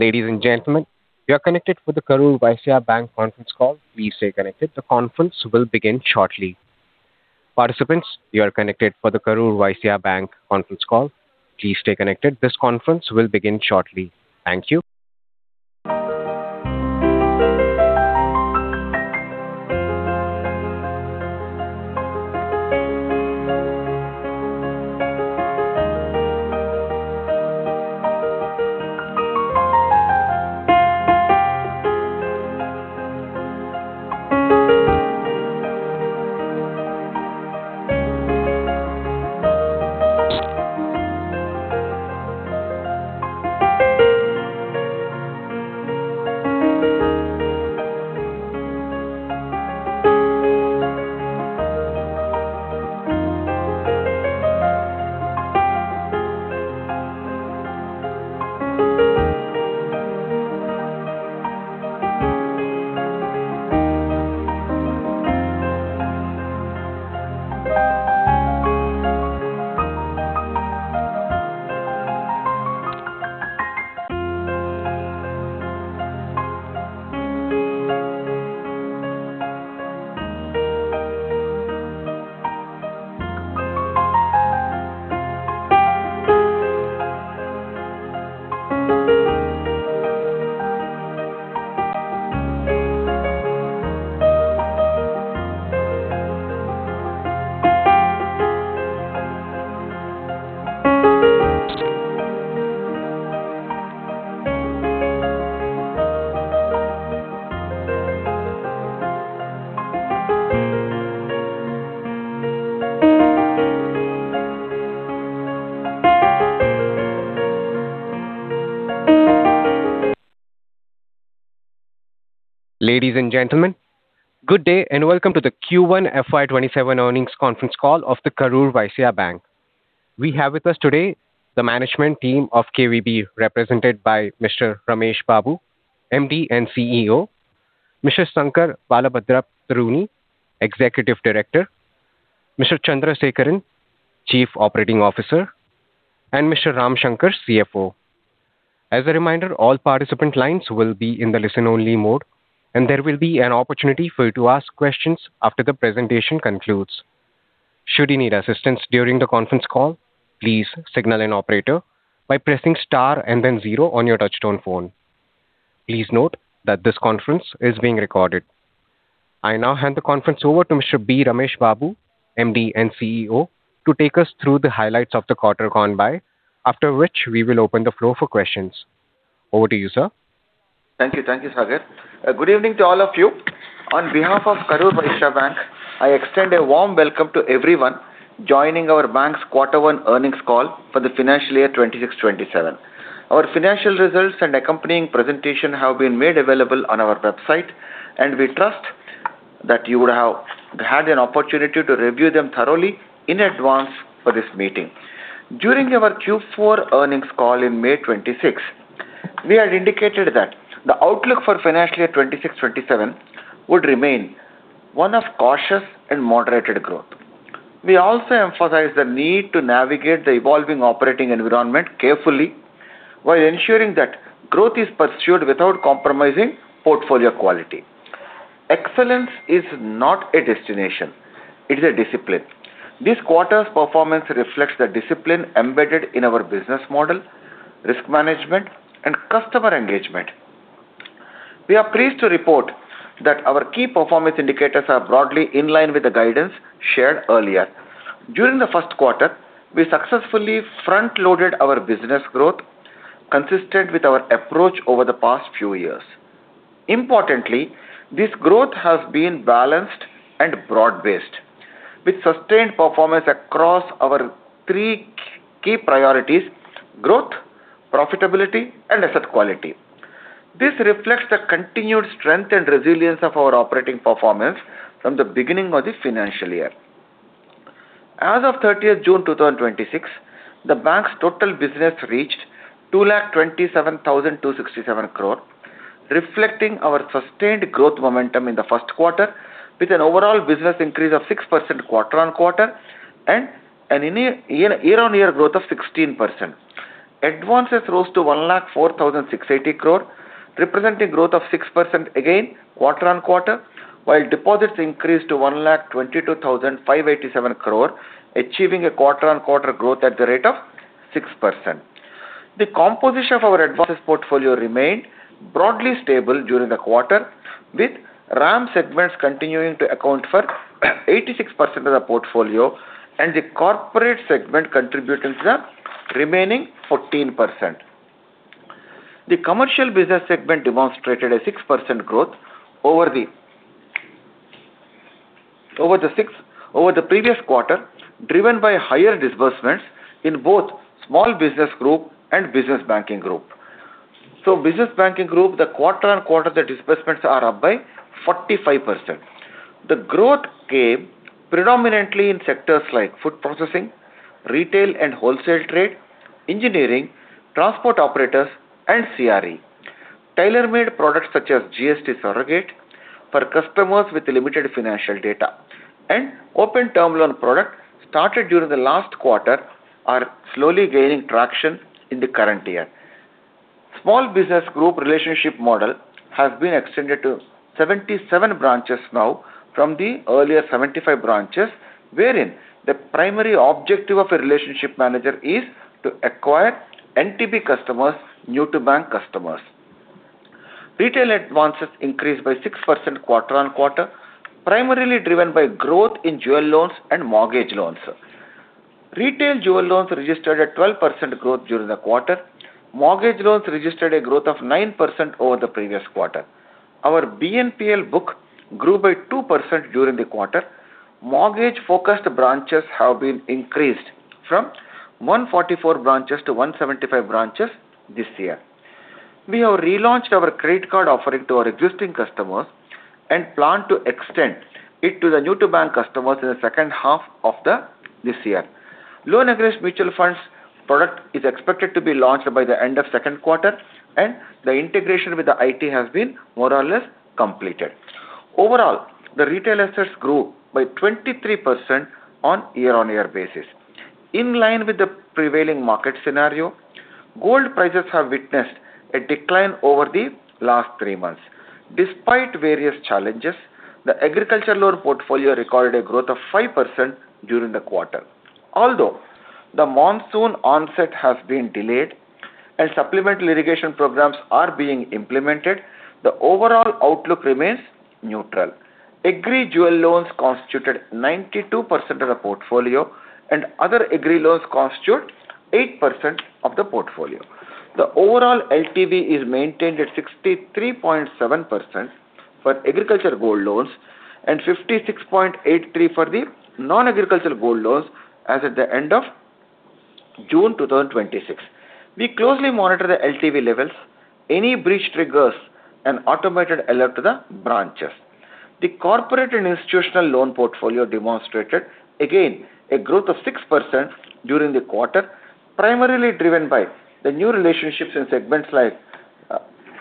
Ladies and gentlemen, good day and welcome to the Q1 FY 2027 Earnings Conference Call of The Karur Vysya Bank. We have with us today the management team of KVB, represented by Mr. Ramesh Babu, MD and CEO, Mr. Sankar Balabhadrapatruni, Executive Director, Mr. Chandrasekaran, Chief Operating Officer, and Mr. Ramshankar, CFO. As a reminder, all participant lines will be in the listen-only mode, and there will be an opportunity for you to ask questions after the presentation concludes. Should you need assistance during the conference call, please signal an operator by pressing star and then zero on your touchtone phone. Please note that this conference is being recorded. I now hand the conference over to Mr. B. Ramesh Babu, MD and CEO, to take us through the highlights of the quarter gone by, after which we will open the floor for questions. Over to you, sir. Thank you, Sagar. Good evening to all of you. On behalf of The Karur Vysya Bank, I extend a warm welcome to everyone joining our bank's quarter one earnings call for the financial year 2026/2027. Our financial results and accompanying presentation have been made available on our website, and we trust that you would have had an opportunity to review them thoroughly in advance for this meeting. During our Q4 earnings call in May 2026, we had indicated that the outlook for financial year 2026/2027 would remain one of cautious and moderated growth. We also emphasized the need to navigate the evolving operating environment carefully while ensuring that growth is pursued without compromising portfolio quality. Excellence is not a destination. It is a discipline. This quarter's performance reflects the discipline embedded in our business model, risk management, and customer engagement. We are pleased to report that our key performance indicators are broadly in line with the guidance shared earlier. During the first quarter, we successfully front-loaded our business growth, consistent with our approach over the past few years. Importantly, this growth has been balanced and broad-based, with sustained performance across our three key priorities, growth, profitability, and asset quality. This reflects the continued strength and resilience of our operating performance from the beginning of the financial year. As of 30th June 2026, the bank's total business reached 2,27,267 crore, reflecting our sustained growth momentum in the first quarter, with an overall business increase of 6% quarter-on-quarter and a year-on-year growth of 16%. Advances rose to 1,04,680 crore, representing growth of 6% quarter-on-quarter, while deposits increased to 1,22,587 crore, achieving a quarter-on-quarter growth at the rate of 6%. The composition of our advances portfolio remained broadly stable during the quarter, with RAM segments continuing to account for 86% of the portfolio and the corporate segment contributing to the remaining 14%. The commercial business segment demonstrated a 6% growth over the previous quarter, driven by higher disbursements in both small business group and business banking group. Business banking group, the quarter-on-quarter, disbursements are up by 45%. The growth came predominantly in sectors like food processing, retail and wholesale trade, engineering, transport operators, and CRE. Tailor-made products such as GST Surrogate for customers with limited financial data and open-term loan product started during the last quarter are slowly gaining traction in the current year. Small business group relationship model has been extended to 77 branches now from the earlier 75 branches, wherein the primary objective of a relationship manager is to acquire NTB customers, new-to-bank customers. Retail advances increased by 6% quarter-on-quarter, primarily driven by growth in jewel loans and mortgage loans. Retail jewel loans registered a 12% growth during the quarter. Mortgage loans registered a growth of 9% over the previous quarter. Our BNPL book grew by 2% during the quarter. Mortgage-focused branches have been increased from 144 branches to 175 branches this year. We have relaunched our credit card offering to our existing customers and plan to extend it to the new-to-bank customers in the second half of this year. Loan Against Mutual Funds product is expected to be launched by the end of second quarter, and the integration with the IT has been more or less completed. Overall, the retail assets grew by 23% on a year-on-year basis. In line with the prevailing market scenario, gold prices have witnessed a decline over the last three months. Despite various challenges, the agricultural loan portfolio recorded a growth of 5% during the quarter. Although the monsoon onset has been delayed and supplemental irrigation programs are being implemented, the overall outlook remains neutral. Agri-jewel loans constituted 92% of the portfolio and other agri-loans constitute 8% of the portfolio. The overall LTV is maintained at 63.7% for agriculture gold loans and 56.83% for the non-agricultural gold loans as at the end of June 2026. We closely monitor the LTV levels. Any breach triggers an automated alert to the branches. The corporate and institutional loan portfolio demonstrated again a growth of 6% during the quarter, primarily driven by the new relationships in segments like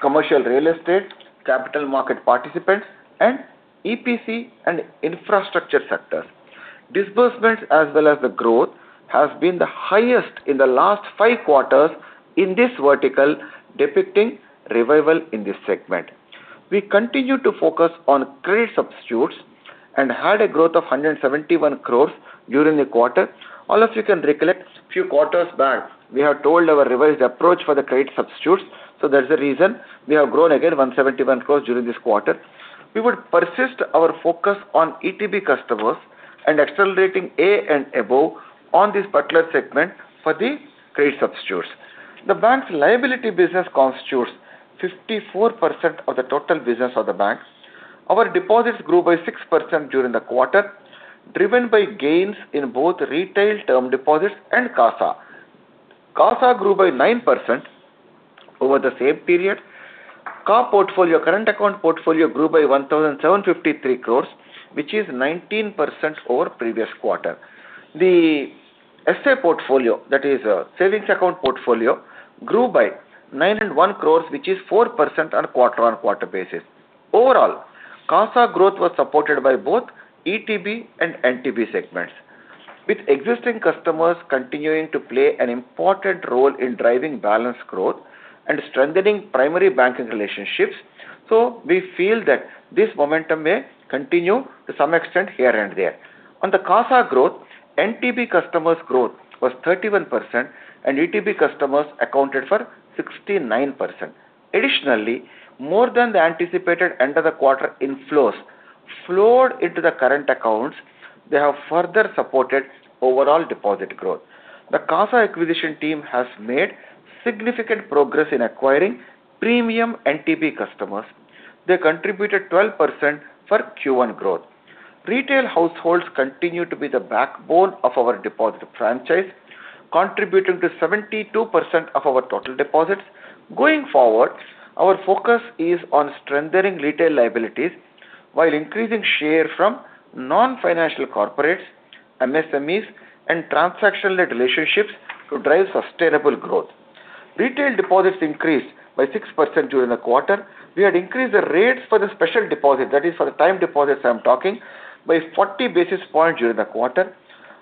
commercial real estate, capital market participants, and EPC and infrastructure sectors. Disbursement as well as the growth has been the highest in the last five quarters in this vertical, depicting revival in this segment. We continue to focus on credit substitutes and had a growth of 171 crore during the quarter. All of you can recollect a few quarters back, we have told our revised approach for the credit substitutes, so that is the reason we have grown again 171 crore during this quarter. We would persist our focus on ETB customers and accelerating A and above on this particular segment for the credit substitutes. The bank's liability business constitutes 54% of the total business of the bank. Our deposits grew by 6% during the quarter, driven by gains in both retail term deposits and CASA. CASA grew by 9% over the same period. Current Account portfolio grew by INR 1,753 crores, which is 19% over previous quarter. The SA portfolio, that is Savings Account portfolio, grew by 901 crores, which is 4% on a quarter-on-quarter basis. Overall, CASA growth was supported by both ETB and NTB segments, with existing customers continuing to play an important role in driving balance growth and strengthening primary banking relationships. We feel that this momentum may continue to some extent here and there. On the CASA growth, NTB customers growth was 31% and ETB customers accounted for 69%. Additionally, more than the anticipated end of the quarter inflows flowed into the current accounts, they have further supported overall deposit growth. The CASA acquisition team has made significant progress in acquiring premium NTB customers. They contributed 12% for Q1 growth. Retail households continue to be the backbone of our deposit franchise, contributing to 72% of our total deposits. Going forward, our focus is on strengthening retail liabilities while increasing share from non-financial corporates, MSMEs, and transaction-led relationships to drive sustainable growth. Retail deposits increased by 6% during the quarter. We had increased the rates for the special deposit, that is for the time deposits I'm talking, by 40 basis points during the quarter.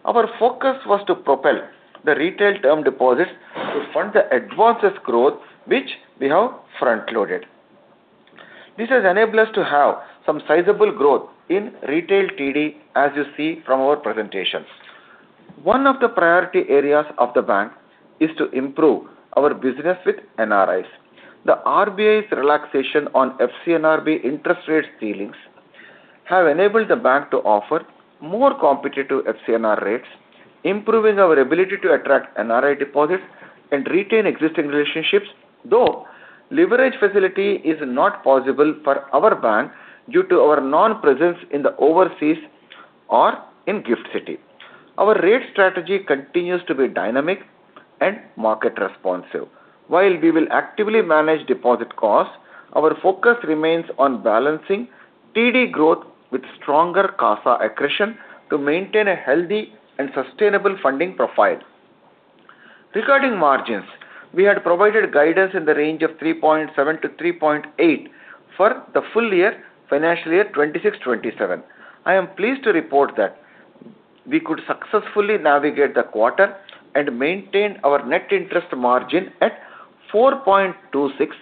Our focus was to propel the retail term deposits to fund the advances growth, which we have front-loaded. This has enabled us to have some sizable growth in retail TD, as you see from our presentations. One of the priority areas of the bank is to improve our business with NRIs. The RBI's relaxation on FCNR B interest rate ceilings have enabled the bank to offer more competitive FCNR rates, improving our ability to attract NRI deposits and retain existing relationships. Though leverage facility is not possible for our bank due to our non-presence in the overseas or in Gift City. Our rate strategy continues to be dynamic and market responsive. While we will actively manage deposit costs, our focus remains on balancing TD growth with stronger CASA accretion to maintain a healthy and sustainable funding profile. Regarding margins, we had provided guidance in the range of 3.7%-3.8% for the full year, financial year 2026/2027. I am pleased to report that we could successfully navigate the quarter and maintain our net interest margin at 4.26%.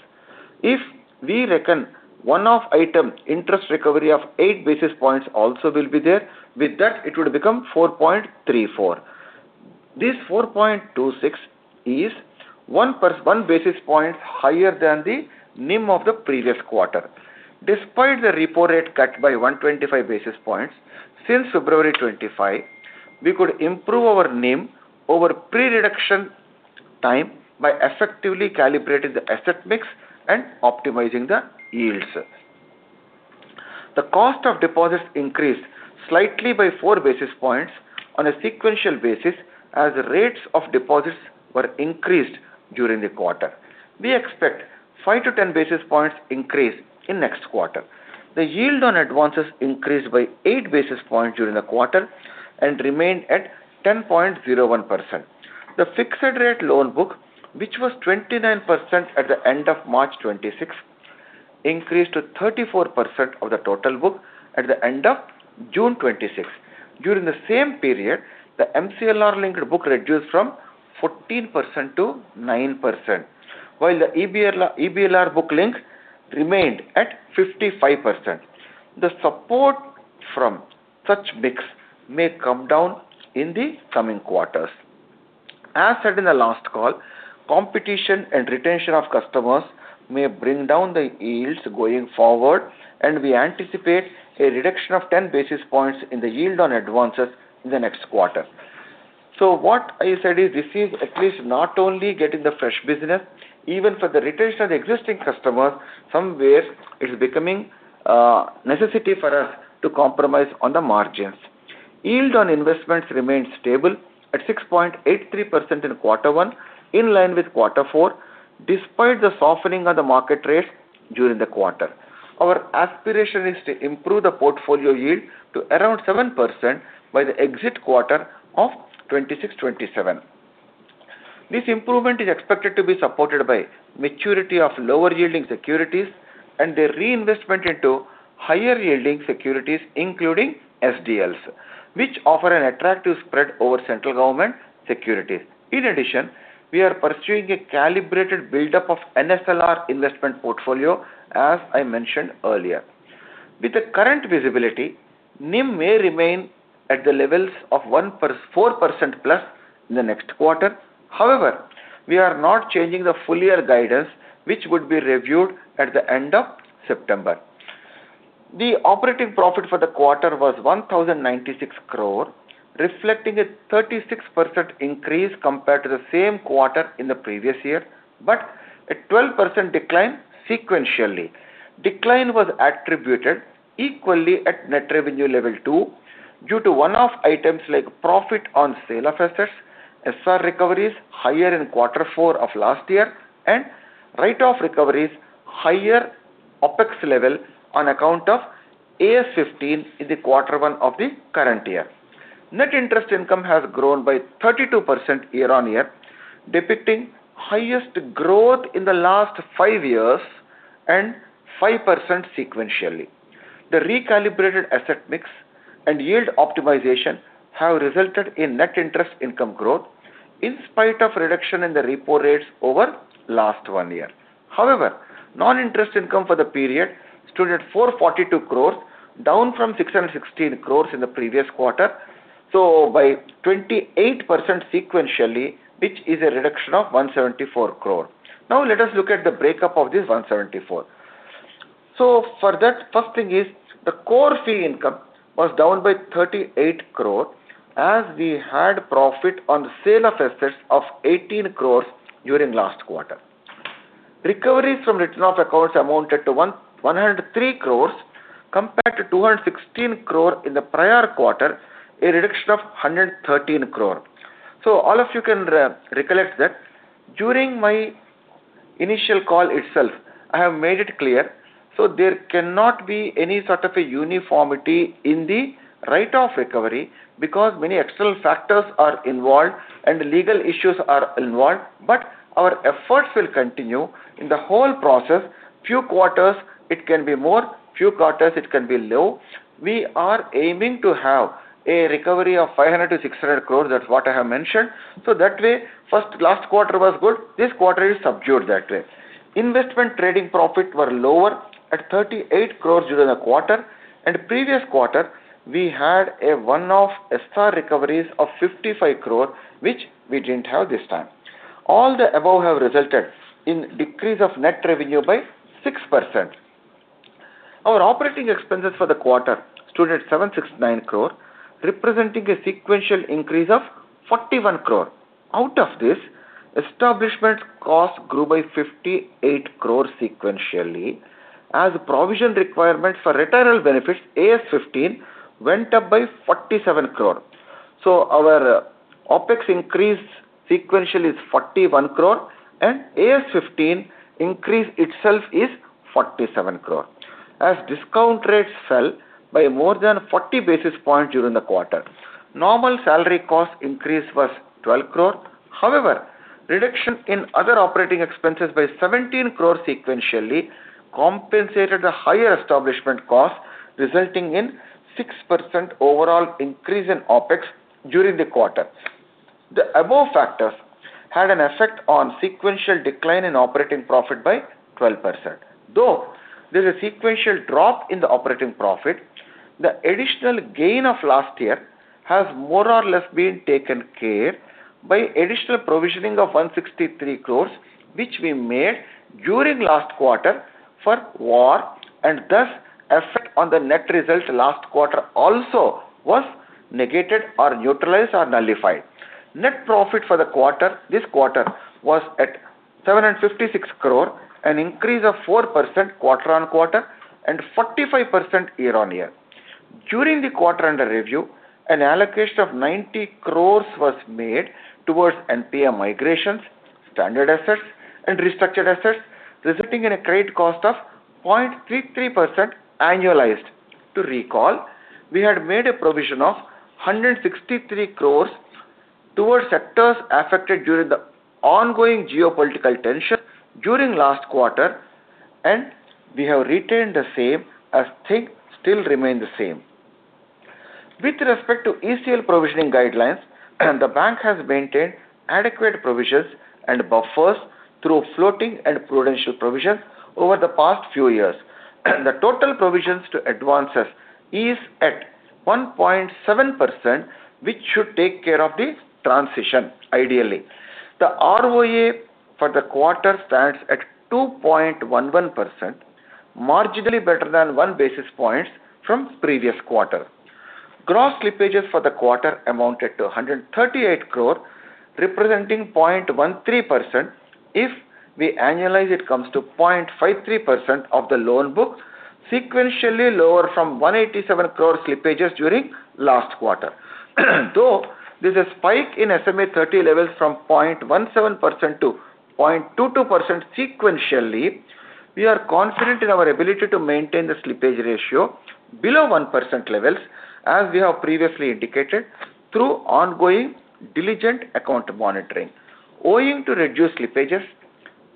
If we reckon one-off item interest recovery of 8 basis points also will be there. With that, it would become 4.34%. This 4.26% is 1 basis point higher than the NIM of the previous quarter. Despite the repo rate cut by 125 basis points since February 2025, we could improve our NIM over pre-reduction time by effectively calibrating the asset mix and optimizing the yields. The cost of deposits increased slightly by 4 basis points on a sequential basis as rates of deposits were increased during the quarter. We expect 5-10 basis points increase in next quarter. The yield on advances increased by 8 basis points during the quarter and remained at 10.01%. The fixed rate loan book, which was 29% at the end of March 2026, increased to 34% of the total book at the end of June 2026. During the same period, the MCLR-linked book reduced from 14%-9%, while the EBLR book link remained at 55%. The support from such mix may come down in the coming quarters. As said in the last call, competition and retention of customers may bring down the yields going forward. We anticipate a reduction of 10 basis points in the yield on advances in the next quarter. What I said is, this is at least not only getting the fresh business, even for the retention of the existing customers, somewhere it is becoming a necessity for us to compromise on the margins. Yield on investments remained stable at 6.83% in Q1, in line with Q4, despite the softening of the market rates during the quarter. Our aspiration is to improve the portfolio yield to around 7% by the exit quarter of 2026/2027. This improvement is expected to be supported by maturity of lower-yielding securities and their reinvestment into higher-yielding securities, including SDLs, which offer an attractive spread over central government securities. In addition, we are pursuing a calibrated buildup of NSLR investment portfolio, as I mentioned earlier. With the current visibility, NIM may remain at the levels of 4%+ in the next quarter. We are not changing the full year guidance, which would be reviewed at the end of September. The operating profit for the quarter was 1,096 crore, reflecting a 36% increase compared to the same quarter in the previous year, but a 12% decline sequentially. Decline was attributed equally at net revenue level too, due to one-off items like profit on sale of assets, SR recoveries higher in quarter four of last year, and write-off recoveries, higher OpEx level on account of AS 15 in the quarter one of the current year. Net interest income has grown by 32% year-on-year, depicting highest growth in the last five years and 5% sequentially. The recalibrated asset mix and yield optimization have resulted in net interest income growth in spite of reduction in the repo rates over last one year. Non-interest income for the period stood at 442 crore, down from 616 crore in the previous quarter, by 28% sequentially, which is a reduction of 174 crore. Let us look at the breakup of this 174 crore. For that, first thing is the core fee income was down by 38 crore as we had profit on the sale of assets of 18 crore during last quarter. Recoveries from written-off accounts amounted to 103 crore compared to 216 crore in the prior quarter, a reduction of 113 crore. All of you can recollect that during my initial call itself, I have made it clear. There cannot be any sort of a uniformity in the write-off recovery because many external factors are involved and legal issues are involved. Our efforts will continue in the whole process. Few quarters it can be more, and few quarters it can be low. We are aiming to have a recovery of 500 crore to 600 crore. That's what I have mentioned. That way, last quarter was good. This quarter is subdued that way. Investment trading profit were lower at 38 crore during the quarter. Previous quarter, we had a one-off SR recoveries of 55 crore, which we didn't have this time. All the above have resulted in decrease of net revenue by 6%. Our operating expenses for the quarter stood at 769 crore, representing a sequential increase of 41 crore. Out of this, establishment cost grew by 58 crore sequentially as provision requirement for retirement benefits, AS 15, went up by 47 crore. Our OpEx increase sequentially is 41 crore and AS 15 increase itself is 47 crore. As discount rates fell by more than 40 basis points during the quarter. Normal salary cost increase was 12 crore. However, reduction in other operating expenses by 17 crore sequentially compensated the higher establishment cost, resulting in 6% overall increase in OpEx during the quarter. The above factors had an effect on sequential decline in operating profit by 12%. Though there is a sequential drop in the operating profit, the additional gain of last year has more or less been taken care by additional provisioning of 163 crore, which we made during last quarter for war. Thus effect on the net results last quarter also was negated or neutralized or nullified. Net profit for this quarter was at 756 crore, an increase of 4% quarter-on-quarter and 45% year-on-year. During the quarter under review, an allocation of 90 crore was made towards NPA migrations, standard assets and restructured assets, resulting in a credit cost of 0.33% annualized. To recall, we had made a provision of 163 crore towards sectors affected during the ongoing geopolitical tension during last quarter. We have retained the same, as things still remain the same. With respect to ECL provisioning guidelines, the bank has maintained adequate provisions and buffers through floating and prudential provisions over the past few years. The total provisions to advances is at 1.7%, which should take care of the transition, ideally. The ROA for the quarter stands at 2.11%, marginally better than 1 basis point from previous quarter. Gross slippages for the quarter amounted to 138 crore, representing 0.13%. If we annualize, it comes to 0.53% of the loan book, sequentially lower from 187 crore slippages during last quarter. Though there's a spike in SMA 30 levels from 0.17%-0.22% sequentially, we are confident in our ability to maintain the slippage ratio below 1% levels, as we have previously indicated through ongoing diligent account monitoring. Owing to reduced slippages,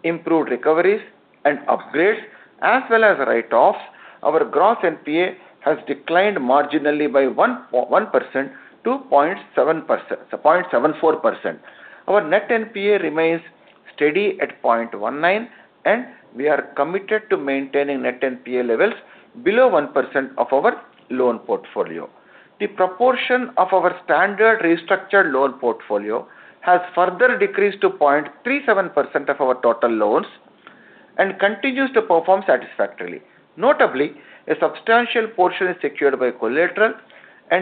improved recoveries and upgrades, as well as write-offs, our gross NPA has declined marginally by 1% to 0.74%. Our net NPA remains steady at 0.19%. We are committed to maintaining net NPA levels below 1% of our loan portfolio. The proportion of our standard restructured loan portfolio has further decreased to 0.37% of our total loans and continues to perform satisfactorily. Notably, a substantial portion is secured by collateral.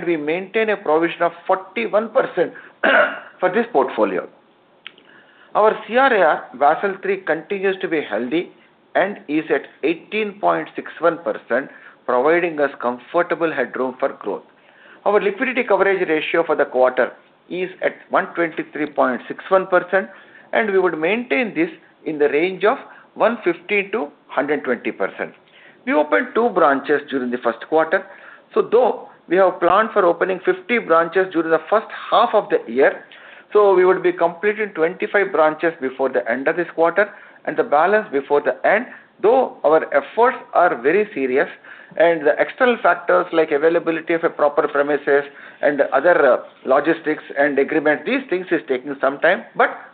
We maintain a provision of 41% for this portfolio. Our CRAR Basel III continues to be healthy and is at 18.61%, providing us comfortable headroom for growth. Our liquidity coverage ratio for the quarter is at 123.61%. We would maintain this in the range of 115%-120%. We opened two branches during the first quarter. Though we have planned for opening 50 branches during the first half of the year, we would be completing 25 branches before the end of this quarter and the balance before the end. Our efforts are very serious. The external factors like availability of a proper premises and other logistics and agreement, these things are taking some time.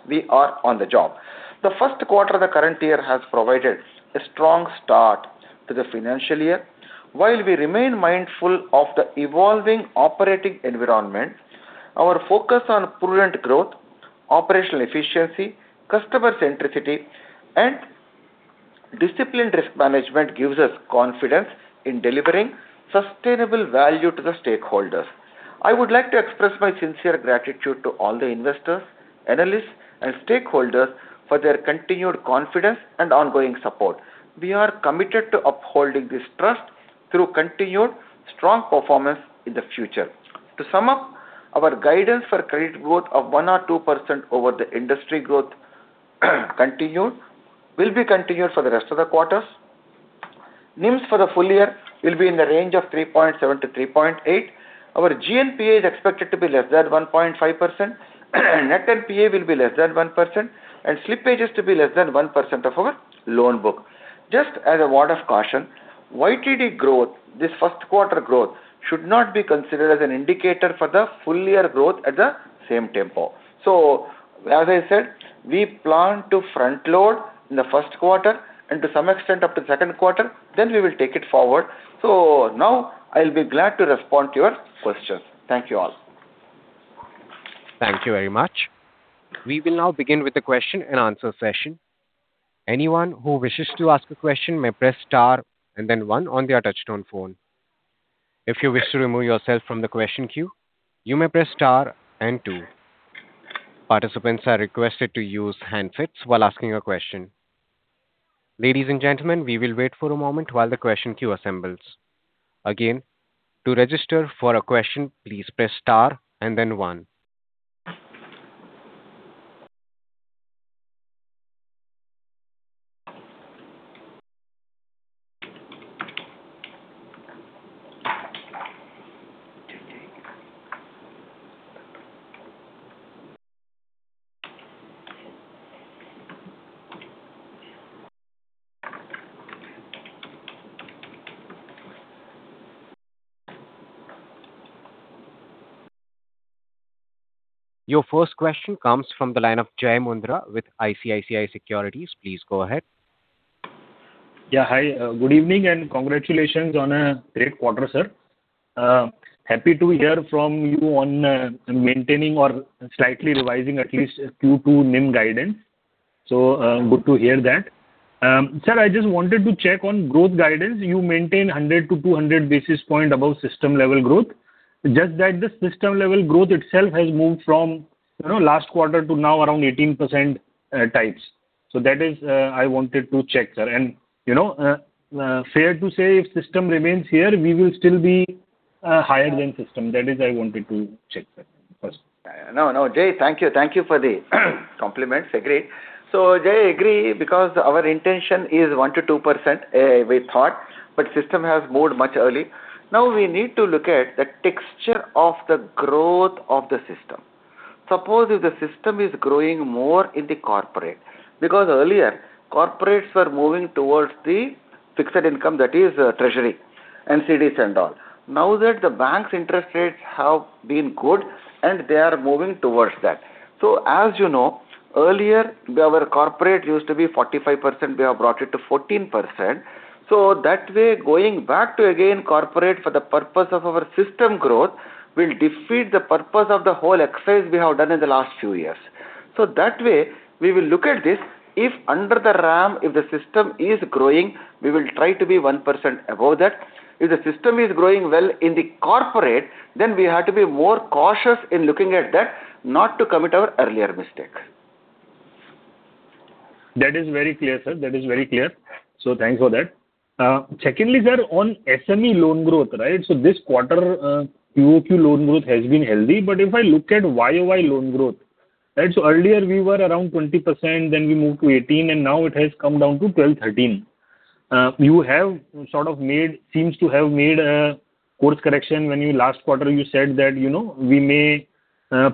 We are on the job. The first quarter of the current year has provided a strong start to the financial year. While we remain mindful of the evolving operating environment, our focus on prudent growth, operational efficiency, customer centricity, and disciplined risk management gives us confidence in delivering sustainable value to the stakeholders. I would like to express my sincere gratitude to all the investors, analysts and stakeholders for their continued confidence and ongoing support. We are committed to upholding this trust through continued strong performance in the future. To sum up, our guidance for credit growth of 1% or 2% over the industry growth will be continued for the rest of the quarters. NIMs for the full year will be in the range of 3.7%-3.8%. Our GNPA is expected to be less than 1.5%. Net NPA will be less than 1%, and slippage is to be less than 1% of our loan book. Just as a word of caution, YTD growth, this first quarter growth should not be considered as an indicator for the full-year growth at the same tempo. As I said, we plan to front-load in the first quarter and to some extent up to the second quarter. We will take it forward. Now I'll be glad to respond to your questions. Thank you all. Thank you very much. We will now begin with the question and answer session. Anyone who wishes to ask a question may press star and then one on their touch-tone phone. If you wish to remove yourself from the question queue, you may press star and two. Participants are requested to use handsets while asking a question. Ladies and gentlemen, we will wait for a moment while the question queue assembles. Again, to register for a question, please press star and then one. Your first question comes from the line of Jai Mundra with ICICI Securities. Please go ahead. Yeah. Hi, good evening and congratulations on a great quarter, sir. Happy to hear from you on maintaining or slightly revising at least Q2 NIM guidance. Good to hear that. Sir, I just wanted to check on growth guidance. You maintain 100-200 basis points above system-level growth. Just that the system-level growth itself has moved from last quarter to now around 18% types. That is, I wanted to check, sir. Fair to say if system remains here, we will still be higher than system. That is, I wanted to check, sir, first. No, Jai. Thank you for the compliments. Agree. Jai, agree, because our intention is 1%-2%, we thought, but system has moved much early. Now we need to look at the texture of the growth of the system. Suppose if the system is growing more in the corporate, because earlier, corporates were moving towards the fixed income, that is treasury and CDs and all. Now that the bank's interest rates have been good, they are moving towards that. As you know, earlier, our corporate used to be 45%, we have brought it to 14%. That way, going back to again corporate for the purpose of our system growth, will defeat the purpose of the whole exercise we have done in the last few years. That way, we will look at this. If under the RAM, if the system is growing, we will try to be 1% above that. If the system is growing well in the corporate, then we have to be more cautious in looking at that, not to commit our earlier mistake. That is very clear, sir. Thanks for that. Secondly, sir, on SME loan growth, this quarter-over-quarter loan growth has been healthy, but if I look at YoY loan growth, earlier we were around 20%, then we moved to 18%, and now it has come down to 12%-13%. You have sort of seems to have made a course correction when last quarter you said that, "We may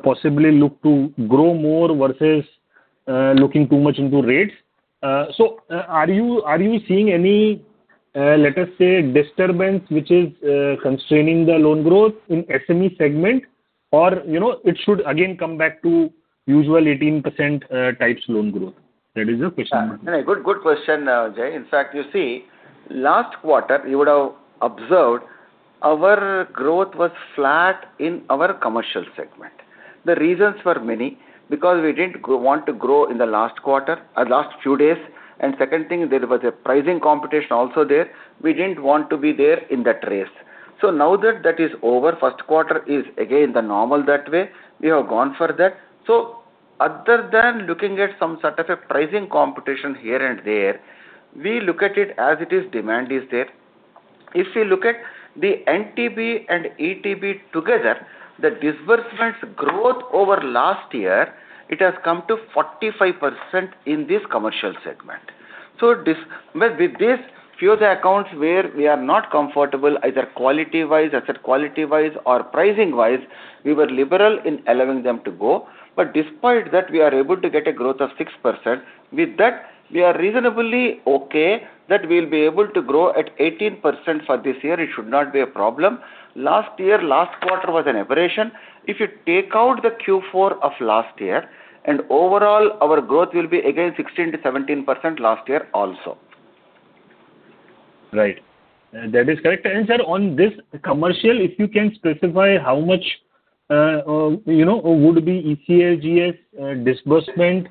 possibly look to grow more versus looking too much into rates." Are you seeing any, let us say, disturbance which is constraining the loan growth in SME segment? Or it should again come back to usual 18% types loan growth? That is the question mark. Good question, Jai. In fact, you see, last quarter, you would have observed our growth was flat in our commercial segment. The reasons were many, because we didn't want to grow in the last quarter, last few days, and second thing, there was a pricing competition also there. We didn't want to be there in that race. Now that that is over, first quarter is again the normal that way. We have gone for that. Other than looking at some sort of a pricing competition here and there, we look at it as it is, demand is there. If you look at the NTB and ETB together, the disbursements growth over last year, it has come to 45% in this commercial segment. With this, few of the accounts where we are not comfortable, either quality-wise, asset quality-wise, or pricing-wise, we were liberal in allowing them to go. Despite that, we are able to get a growth of 6%. With that, we are reasonably okay that we'll be able to grow at 18% for this year. It should not be a problem. Last year, last quarter was an aberration. If you take out the Q4 of last year, overall, our growth will be again 16%-17% last year also. Right. That is correct answer. On this commercial, if you can specify how much would be ECLGS disbursement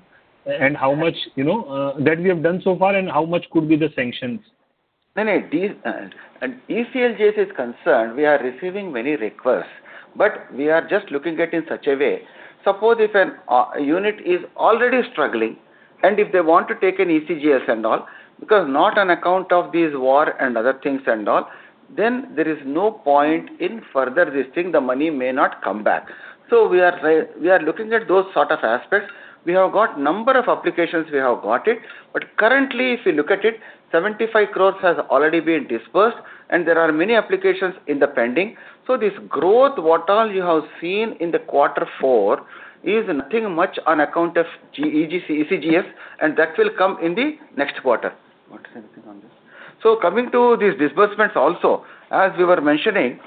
that we have done so far and how much could be the sanctions? No. ECLGS is concerned, we are receiving many requests. We are just looking at in such a way, suppose if a unit is already struggling and if they want to take an ECLGS and all, because not on account of this war and other things and all, then there is no point in further risking, the money may not come back. We are looking at those sort of aspects. We have got number of applications, we have got it. Currently, if you look at it, 75 crores has already been disbursed, and there are many applications in the pending. This growth, what all you have seen in the quarter four, is nothing much on account of ECLGS, and that will come in the next quarter. Want to say anything on this? Coming to these disbursements also, as we were mentioning,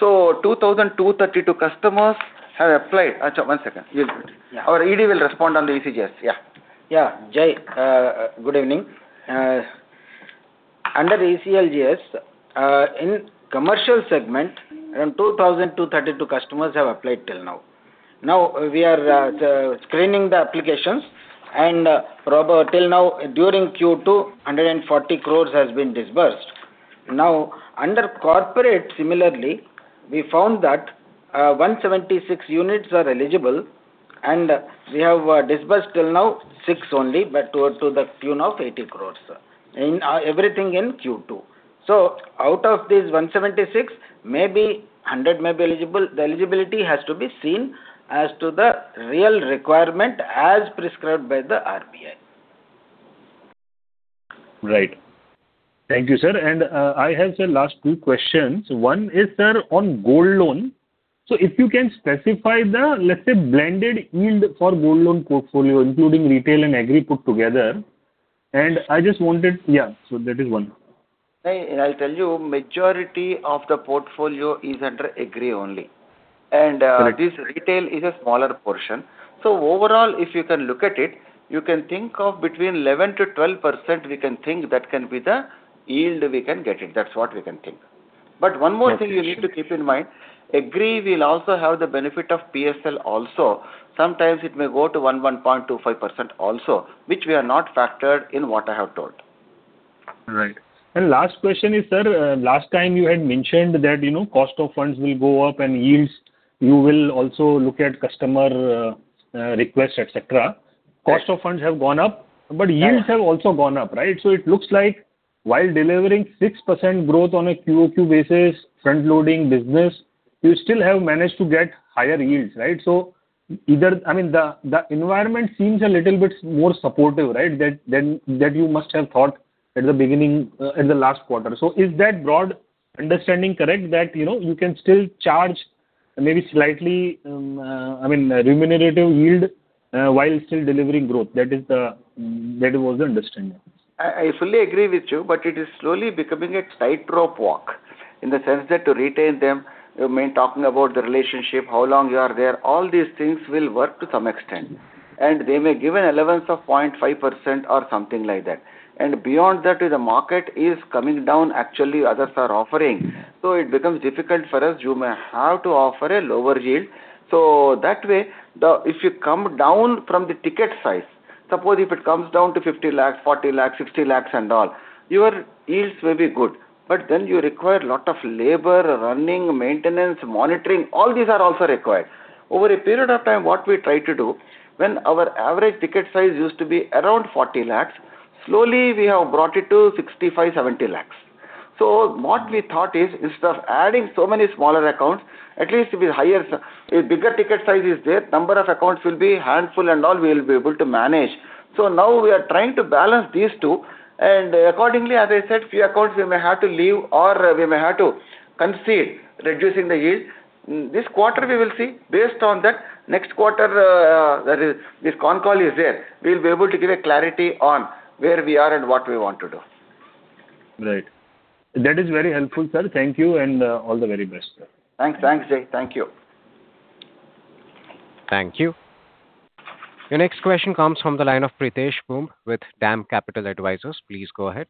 2,232 customers have applied. One second. You put. Our ED will respond on the ECLGS. Jai, good evening. Under ECLGS, in commercial segment, around 2,232 customers have applied till now. We are screening the applications, and till now, during Q2, 140 crore has been disbursed. Under corporate, similarly, we found that 176 units are eligible, and we have disbursed till now six only, but to the tune of 80 crore, sir. Everything in Q2. Out of these 176, maybe 100 may be eligible. The eligibility has to be seen as to the real requirement as prescribed by the RBI. Right. Thank you, sir. I have, sir, last two questions. One is, sir, on gold loan. If you can specify the, let's say, blended yield for gold loan portfolio, including retail and agri put together. I just wanted. Yeah. That is one. I'll tell you, majority of the portfolio is under agri only. This retail is a smaller portion. Overall, if you can look at it, you can think of between 11%-12%, we can think that can be the yield we can get it. That's what we can think. One more thing you need to keep in mind, agri will also have the benefit of PSL also. Sometimes it may go to 11.25% also, which we are not factored in what I have told. Right. Last question is, sir, last time you had mentioned that cost of funds will go up and yields, you will also look at customer request, et cetera. Cost of funds have gone up, but yields have also gone up, right? It looks like while delivering 6% growth on a QoQ basis, front-loading business, you still have managed to get higher yields, right? Either the environment seems a little bit more supportive, right, than you must have thought at the beginning, in the last quarter. Is that broad understanding correct? That you can still charge maybe slightly remunerative yield, while still delivering growth. That was the understanding. I fully agree with you, it is slowly becoming a tightrope walk in the sense that to retain them, talking about the relationship, how long you are there, all these things will work to some extent. They may give an allowance of 0.5% or something like that. Beyond that, if the market is coming down, actually others are offering, it becomes difficult for us. You may have to offer a lower yield. That way, if you come down from the ticket size, suppose if it comes down to 50 lakhs, 40 lakhs, 60 lakhs and all, your yields may be good, but then you require lot of labor, running, maintenance, monitoring, all these are also required. Over a period of time, what we try to do, when our average ticket size used to be around 40 lakhs, slowly we have brought it to 65 lakhs, 70 lakhs. What we thought is, instead of adding so many smaller accounts, at least with higher, a bigger ticket size is there, number of accounts will be handful and all we will be able to manage. Now we are trying to balance these two, and accordingly, as I said, few accounts we may have to leave or we may have to concede, reducing the yield. This quarter we will see. Based on that, next quarter, that is, this con call is there, we'll be able to give a clarity on where we are and what we want to do. Right. That is very helpful, sir. Thank you, and all the very best. Thanks, Jai. Thank you. Thank you. Your next question comes from the line of Pritesh Bumb with DAM Capital Advisors. Please go ahead.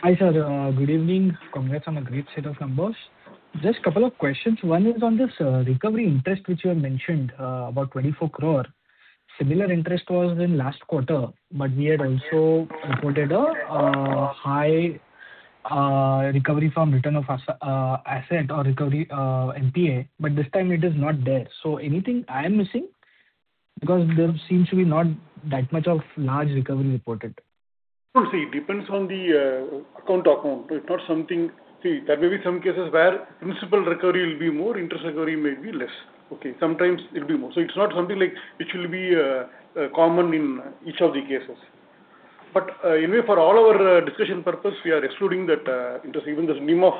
Hi, sir. Good evening. Congrats on a great set of numbers. Just couple of questions. One is on this recovery interest, which you have mentioned, about 24 crore. Similar interest was in last quarter, but we had also reported a high recovery from return of asset or recovery NPA, but this time it is not there. Anything I am missing? Because there seems to be not that much of large recovery reported. It depends on the account to account. It's not something there may be some cases where principal recovery will be more, interest recovery may be less. Okay. Sometimes it'll be more. It's not something which will be common in each of the cases. Anyway, for all our discussion purpose, we are excluding that interest, even this NIM of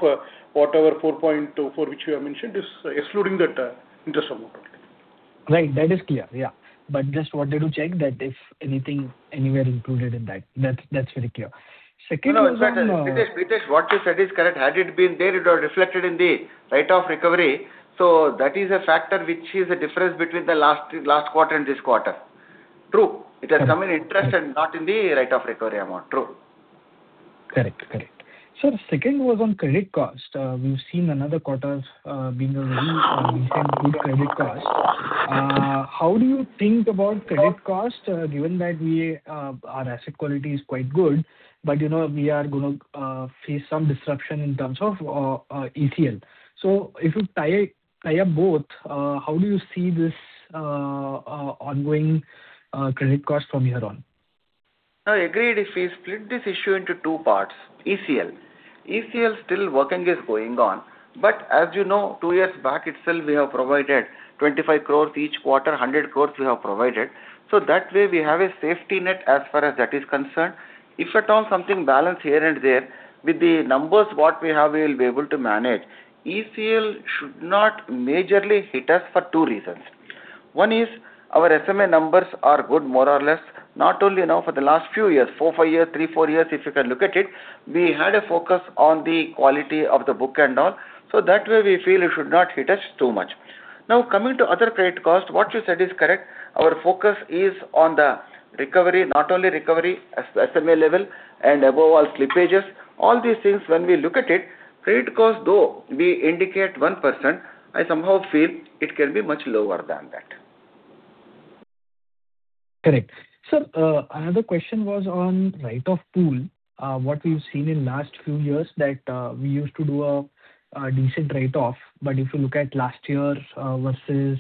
whatever, 4.24% which you have mentioned, is excluding that interest amount. Right. That is clear. Just wanted to check that if anything anywhere included in that. That's very clear. Second was on-- No, Pritesh, what you said is correct. Had it been there, it would have reflected in the rate of recovery. That is a factor which is a difference between the last quarter and this quarter. True. It has come in interest and not in the rate of recovery amount. True. Correct. Sir, second was on credit cost. We've seen another quarter of being a very good credit cost. How do you think about credit cost, given that our asset quality is quite good, but we are going to face some disruption in terms of ECL? If you tie up both, how do you see this ongoing credit cost from here on? No, agreed. If we split this issue into two parts, ECL. ECL still working is going on. As you know, two years back itself, we have provided 25 crores each quarter, 100 crores we have provided. That way we have a safety net as far as that is concerned. If at all something balance here and there, with the numbers what we have, we will be able to manage. ECL should not majorly hit us for two reasons. One is our SMA numbers are good, more or less, not only now, for the last few years, four, five years, three, four years, if you can look at it. We had a focus on the quality of the book and all. That way we feel it should not hit us too much. Now, coming to other credit cost, what you said is correct. Our focus is on the recovery, not only recovery at SMA level and above all slippages. All these things, when we look at it, credit cost, though we indicate 1%, I somehow feel it can be much lower than that. Correct. Sir, another question was on write-off pool. What we've seen in last few years, that we used to do a decent write-off, but if you look at last year versus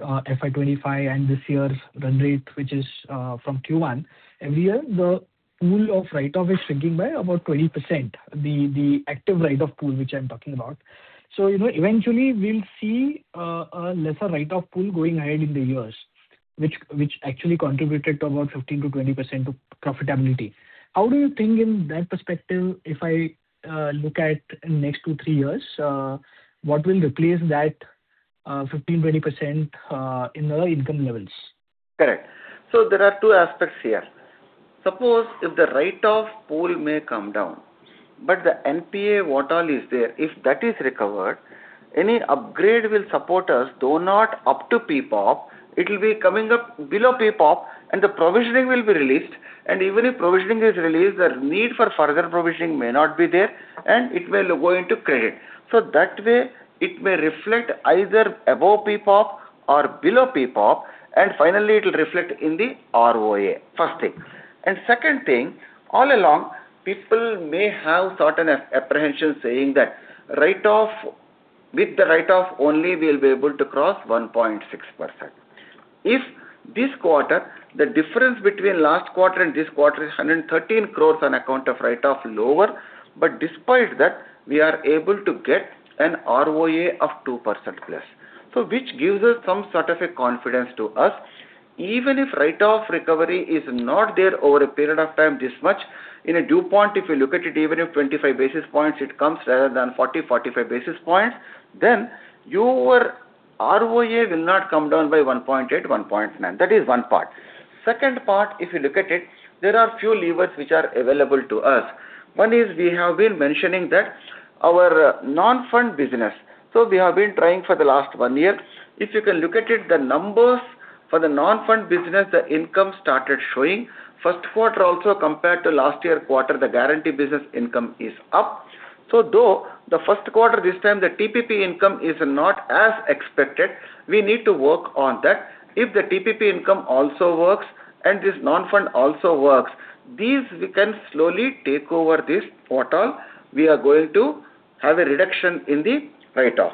FY 2025 and this year's run rate, which is from Q1. Every year, the pool of write-off is shrinking by about 20%. The active write-off pool, which I'm talking about. Eventually, we'll see a lesser write-off pool going ahead in the years, which actually contributed to about 15%-20% of profitability. How do you think in that perspective, if I look at next two, three years, what will replace that 15%, 20% in our income levels? Correct. There are two aspects here. Suppose if the write-off pool may come down, but the NPA what all is there, if that is recovered, any upgrade will support us, though not up to PPOP, it will be coming up below PPOP, and the provisioning will be released. Even if provisioning is released, the need for further provisioning may not be there, and it will go into credit. That way, it may reflect either above PPOP or below PPOP, and finally, it will reflect in the ROA. First thing. Second thing, all along, people may have certain apprehensions saying that with the write-off only we'll be able to cross 1.6%. If this quarter, the difference between last quarter and this quarter is 113 crores on account of write-off lower. But despite that, we are able to get an ROA of 2%+. Which gives us some sort of a confidence to us. Even if write-off recovery is not there over a period of time this much, in a due point, if you look at it, even if 25 basis points, it comes rather than 40, 45 basis points, then your ROA will not come down by 1.8%, 1.9%. That is one part. Second part, if you look at it, there are few levers which are available to us. One is we have been mentioning that our non-fund business. We have been trying for the last one year. If you can look at it, the numbers for the non-fund business, the income started showing. First quarter also, compared to last year quarter, the guarantee business income is up. Though the first quarter this time the TPP income is not as expected, we need to work on that. If the TPP income also works and this non-fund also works, these we can slowly take over this what all we are going to have a reduction in the write-off.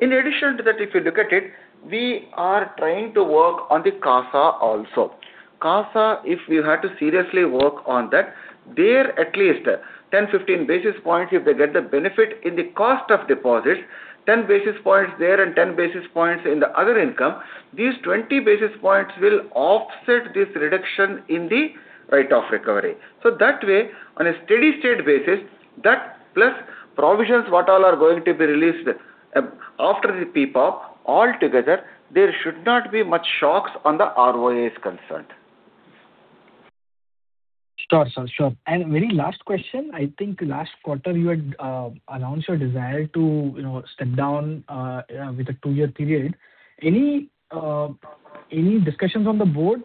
In addition to that, if you look at it, we are trying to work on the CASA also. CASA, if we have to seriously work on that, there at least 10, 15 basis points, if they get the benefit in the cost of deposits, 10 basis points there and 10 basis points in the other income, these 20 basis points will offset this reduction in the rate of recovery. That way, on a steady state basis, that plus provisions what all are going to be released after the PPOP all together, there should not be much shocks on the ROAs concerned. Sure, sir. Sure. Very last question. I think last quarter you had announced your desire to step down with a two-year period. Any discussions on the board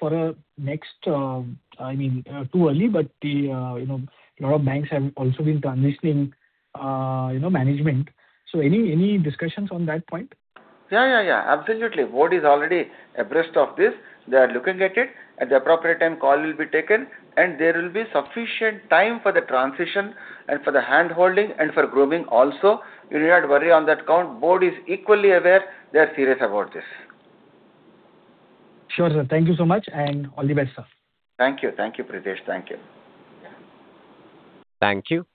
for next I mean, too early, but a lot of banks have also been transitioning management. Any discussions on that point? Yeah. Absolutely. Board is already abreast of this. They are looking at it. At the appropriate time, call will be taken, and there will be sufficient time for the transition and for the handholding and for grooming also. You need not worry on that count. Board is equally aware. They are serious about this. Sure, sir. Thank you so much, and all the best, sir. Thank you. Thank you, Pritesh. Thank you. Thank you.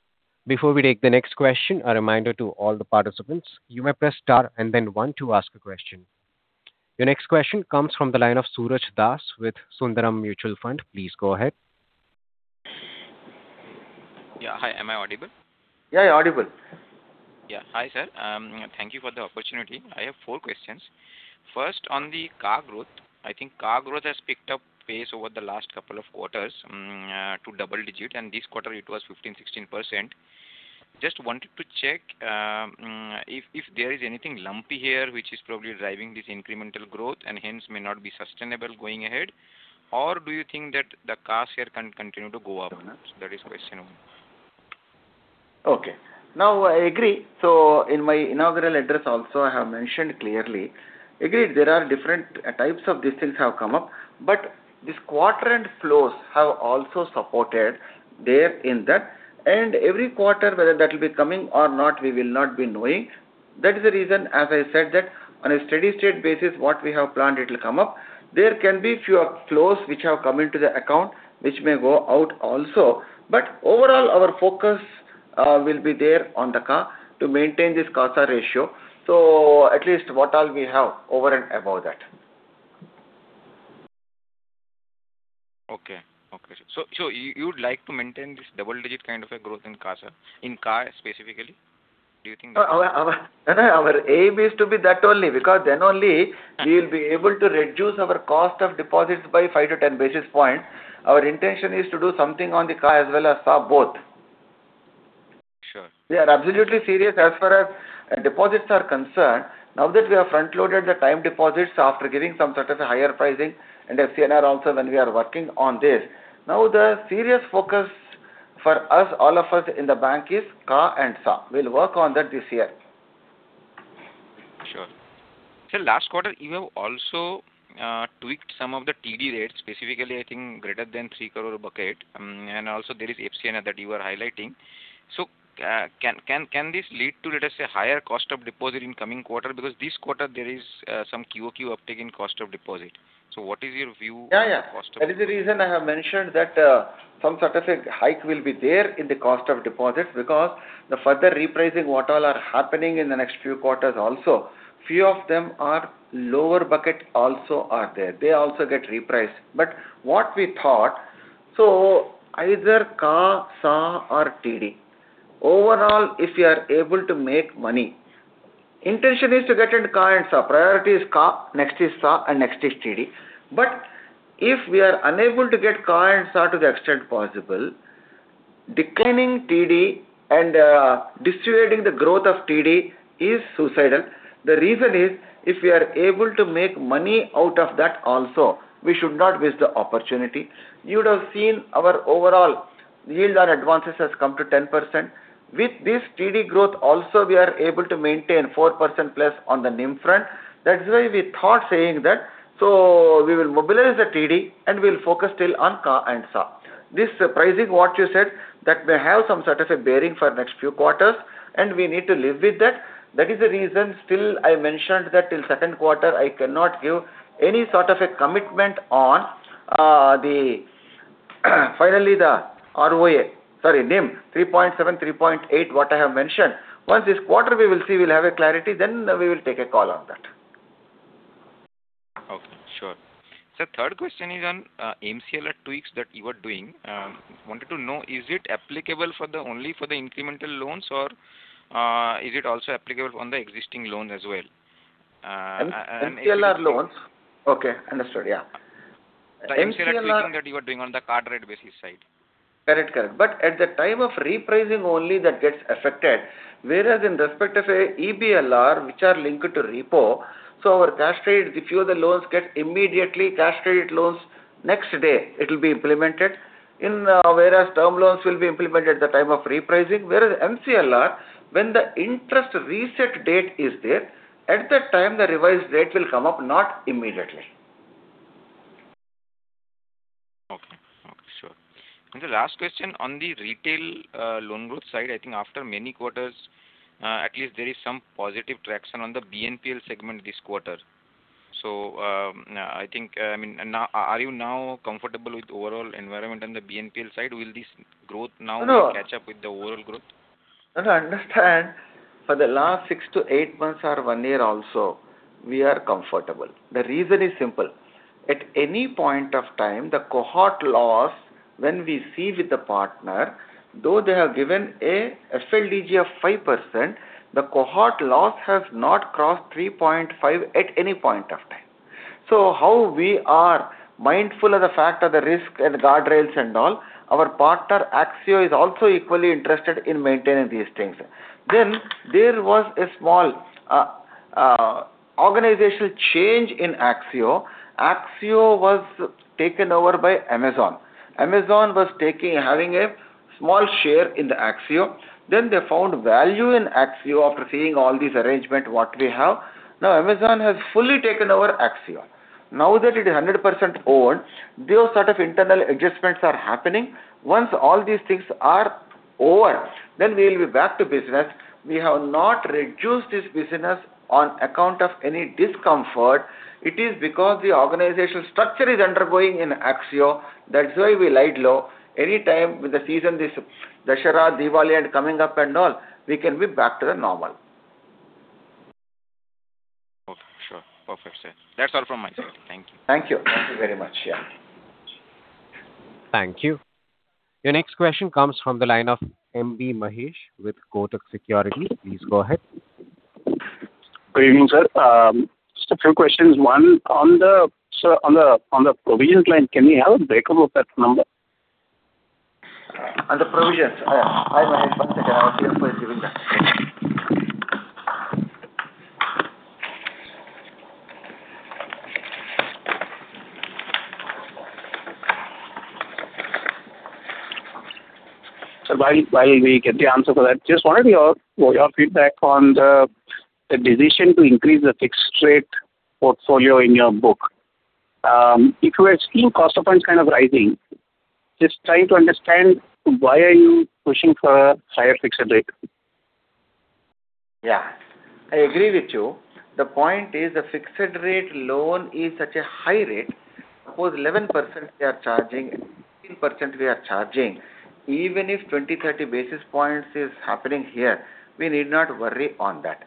Before we take the next question, a reminder to all the participants, you may press star and then one to ask a question. Your next question comes from the line of Suraj Das with Sundaram Mutual Fund. Please go ahead. Yeah. Hi, am I audible? Yeah, you're audible. Yeah. Hi, sir. Thank you for the opportunity. I have four questions. First, on the CA growth. I think CA growth has picked up pace over the last couple of quarters to double digit, and this quarter it was 15%, 16%. Just wanted to check if there is anything lumpy here which is probably driving this incremental growth and hence may not be sustainable going ahead. Do you think that the CASA here can continue to go up? That is question one. Okay. I agree. In my inaugural address also, I have mentioned clearly. Agreed, there are different types of distance have come up, this quarter end flows have also supported there in that. Every quarter, whether that will be coming or not, we will not be knowing. That is the reason, as I said, that on a steady state basis, what we have planned, it will come up. There can be few flows which have come into the account, which may go out also. Overall, our focus will be there on the CA to maintain this CASA ratio. At least what all we have over and above that. Okay. You would like to maintain this double digit kind of a growth in CASA? In CA specifically? Our aim is to be that only, because then only we will be able to reduce our cost of deposits by 5-10 basis points. Our intention is to do something on the CA as well as SA both. Sure. We are absolutely serious as far as deposits are concerned. That we have front-loaded the time deposits after giving some sort of a higher pricing and FCNR also when we are working on this. The serious focus for us, all of us in the bank is CASA and SA. We'll work on that this year. Sure. Sir, last quarter, you have also tweaked some of the TD rates, specifically I think greater than 3 crore bucket, and also there is FCNR that you are highlighting. Can this lead to, let us say, higher cost of deposit in coming quarter? Because this quarter there is some QoQ uptake in cost of deposit. What is your view on cost of deposit? Yeah. That is the reason I have mentioned that some sort of a hike will be there in the cost of deposit, because the further repricing what all are happening in the next few quarters also, few of them are lower bucket also are there. They also get repriced. What we thought, either CA, SA or TD, overall, if we are able to make money, intention is to get into CA and SA. Priority is CA, next is SA, and next is TD. If we are unable to get CA and SA to the extent possible, declining TD and distributing the growth of TD is suicidal. The reason is, if we are able to make money out of that also, we should not miss the opportunity. You would have seen our overall yield on advances has come to 10%. With this TD growth also we are able to maintain 4%+ on the NIM front. That is why we thought saying that, we will mobilize the TD and we'll focus still on CA and SA. This repricing what you said, that may have some sort of a bearing for next few quarters, and we need to live with that. That is the reason still I mentioned that till second quarter, I cannot give any sort of a commitment on finally the ROA, sorry, NIM, 3.7%, 3.8%, what I have mentioned. Once this quarter we will see, we'll have a clarity, then we will take a call on that. Okay. Sure. Sir, third question is on MCLR tweaks that you are doing. Wanted to know, is it applicable only for the incremental loans, or is it also applicable on the existing loans as well? MCLR loans? Okay, understood. Yeah. MCLR. The interest rate tweaking that you are doing on the card rate basis side. Correct. At the time of repricing only that gets affected. In respect of an EBLR, which are linked to repo, our cash credit, if few of the loans get immediately cash credit loans, next day it will be implemented. Term loans will be implemented at the time of repricing. MCLR, when the interest reset date is there, at that time the revised rate will come up, not immediately. Okay. Sure. The last question on the retail loan growth side, I think after many quarters, at least there is some positive traction on the BNPL segment this quarter. Are you now comfortable with overall environment on the BNPL side? Will this growth now? Catch up with the overall growth? I understand, for the last six to eight months or one year also, we are comfortable. The reason is simple. At any point of time, the cohort loss, when we see with the partner, though they have given a FLDG of 5%, the cohort loss has not crossed 3.5% at any point of time. How we are mindful of the fact of the risk and guardrails and all, our partner Axio is also equally interested in maintaining these things. There was a small organizational change in Axio. Axio was taken over by Amazon. Amazon was having a small share in the Axio. They found value in Axio after seeing all these arrangement what we have. Amazon has fully taken over Axio. That it is 100% owned, those sort of internal adjustments are happening. Once all these things are over, then we'll be back to business. We have not reduced this business on account of any discomfort. It is because the organizational structure is undergoing in Axio. That's why we laid low. Any time with the season, this Dussehra, Diwali coming up and all, we can be back to the normal. Okay, sure. Perfect, sir. That's all from my side. Thank you. Thank you. Thank you very much. Thank you. Your next question comes from the line of MB Mahesh with Kotak Securities. Please go ahead. Good evening, sir. Just a few questions. One, on the provisions line, can we have a breakup of that number? On the provisions? Hi, Mahesh. One second. Sir, while we get the answer for that, just wanted your feedback on the decision to increase the fixed rate portfolio in your book. If you are seeing cost of funds kind of rising, just trying to understand why are you pushing for a higher fixed rate? Yeah. I agree with you. The point is, the fixed rate loan is at a high rate. Suppose 11% we are charging and 15% we are charging, even if 20, 30 basis points is happening here, we need not worry on that.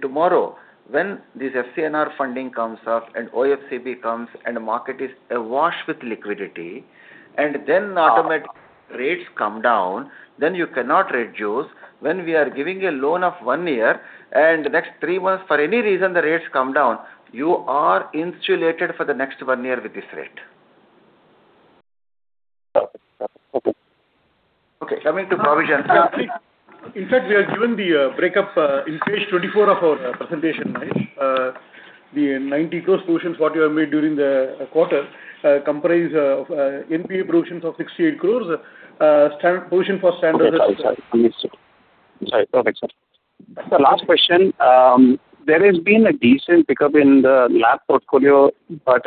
Tomorrow, when this FCNR funding comes off, and OFCB comes, and market is awash with liquidity, and then automatically rates come down, then you cannot reduce. When we are giving a loan of one year, and the next three months, for any reason, the rates come down, you are insulated for the next one year with this rate. Okay. Okay, coming to provisions. In fact, we have given the breakup in page 24 of our presentation, Mahesh. The 90 crores provisions what you have made during the quarter comprise of NPA provisions of 68 crores, provision for. Okay. I'm sorry. Perfect, sir. Last question. There has been a decent pickup in the lab portfolio, but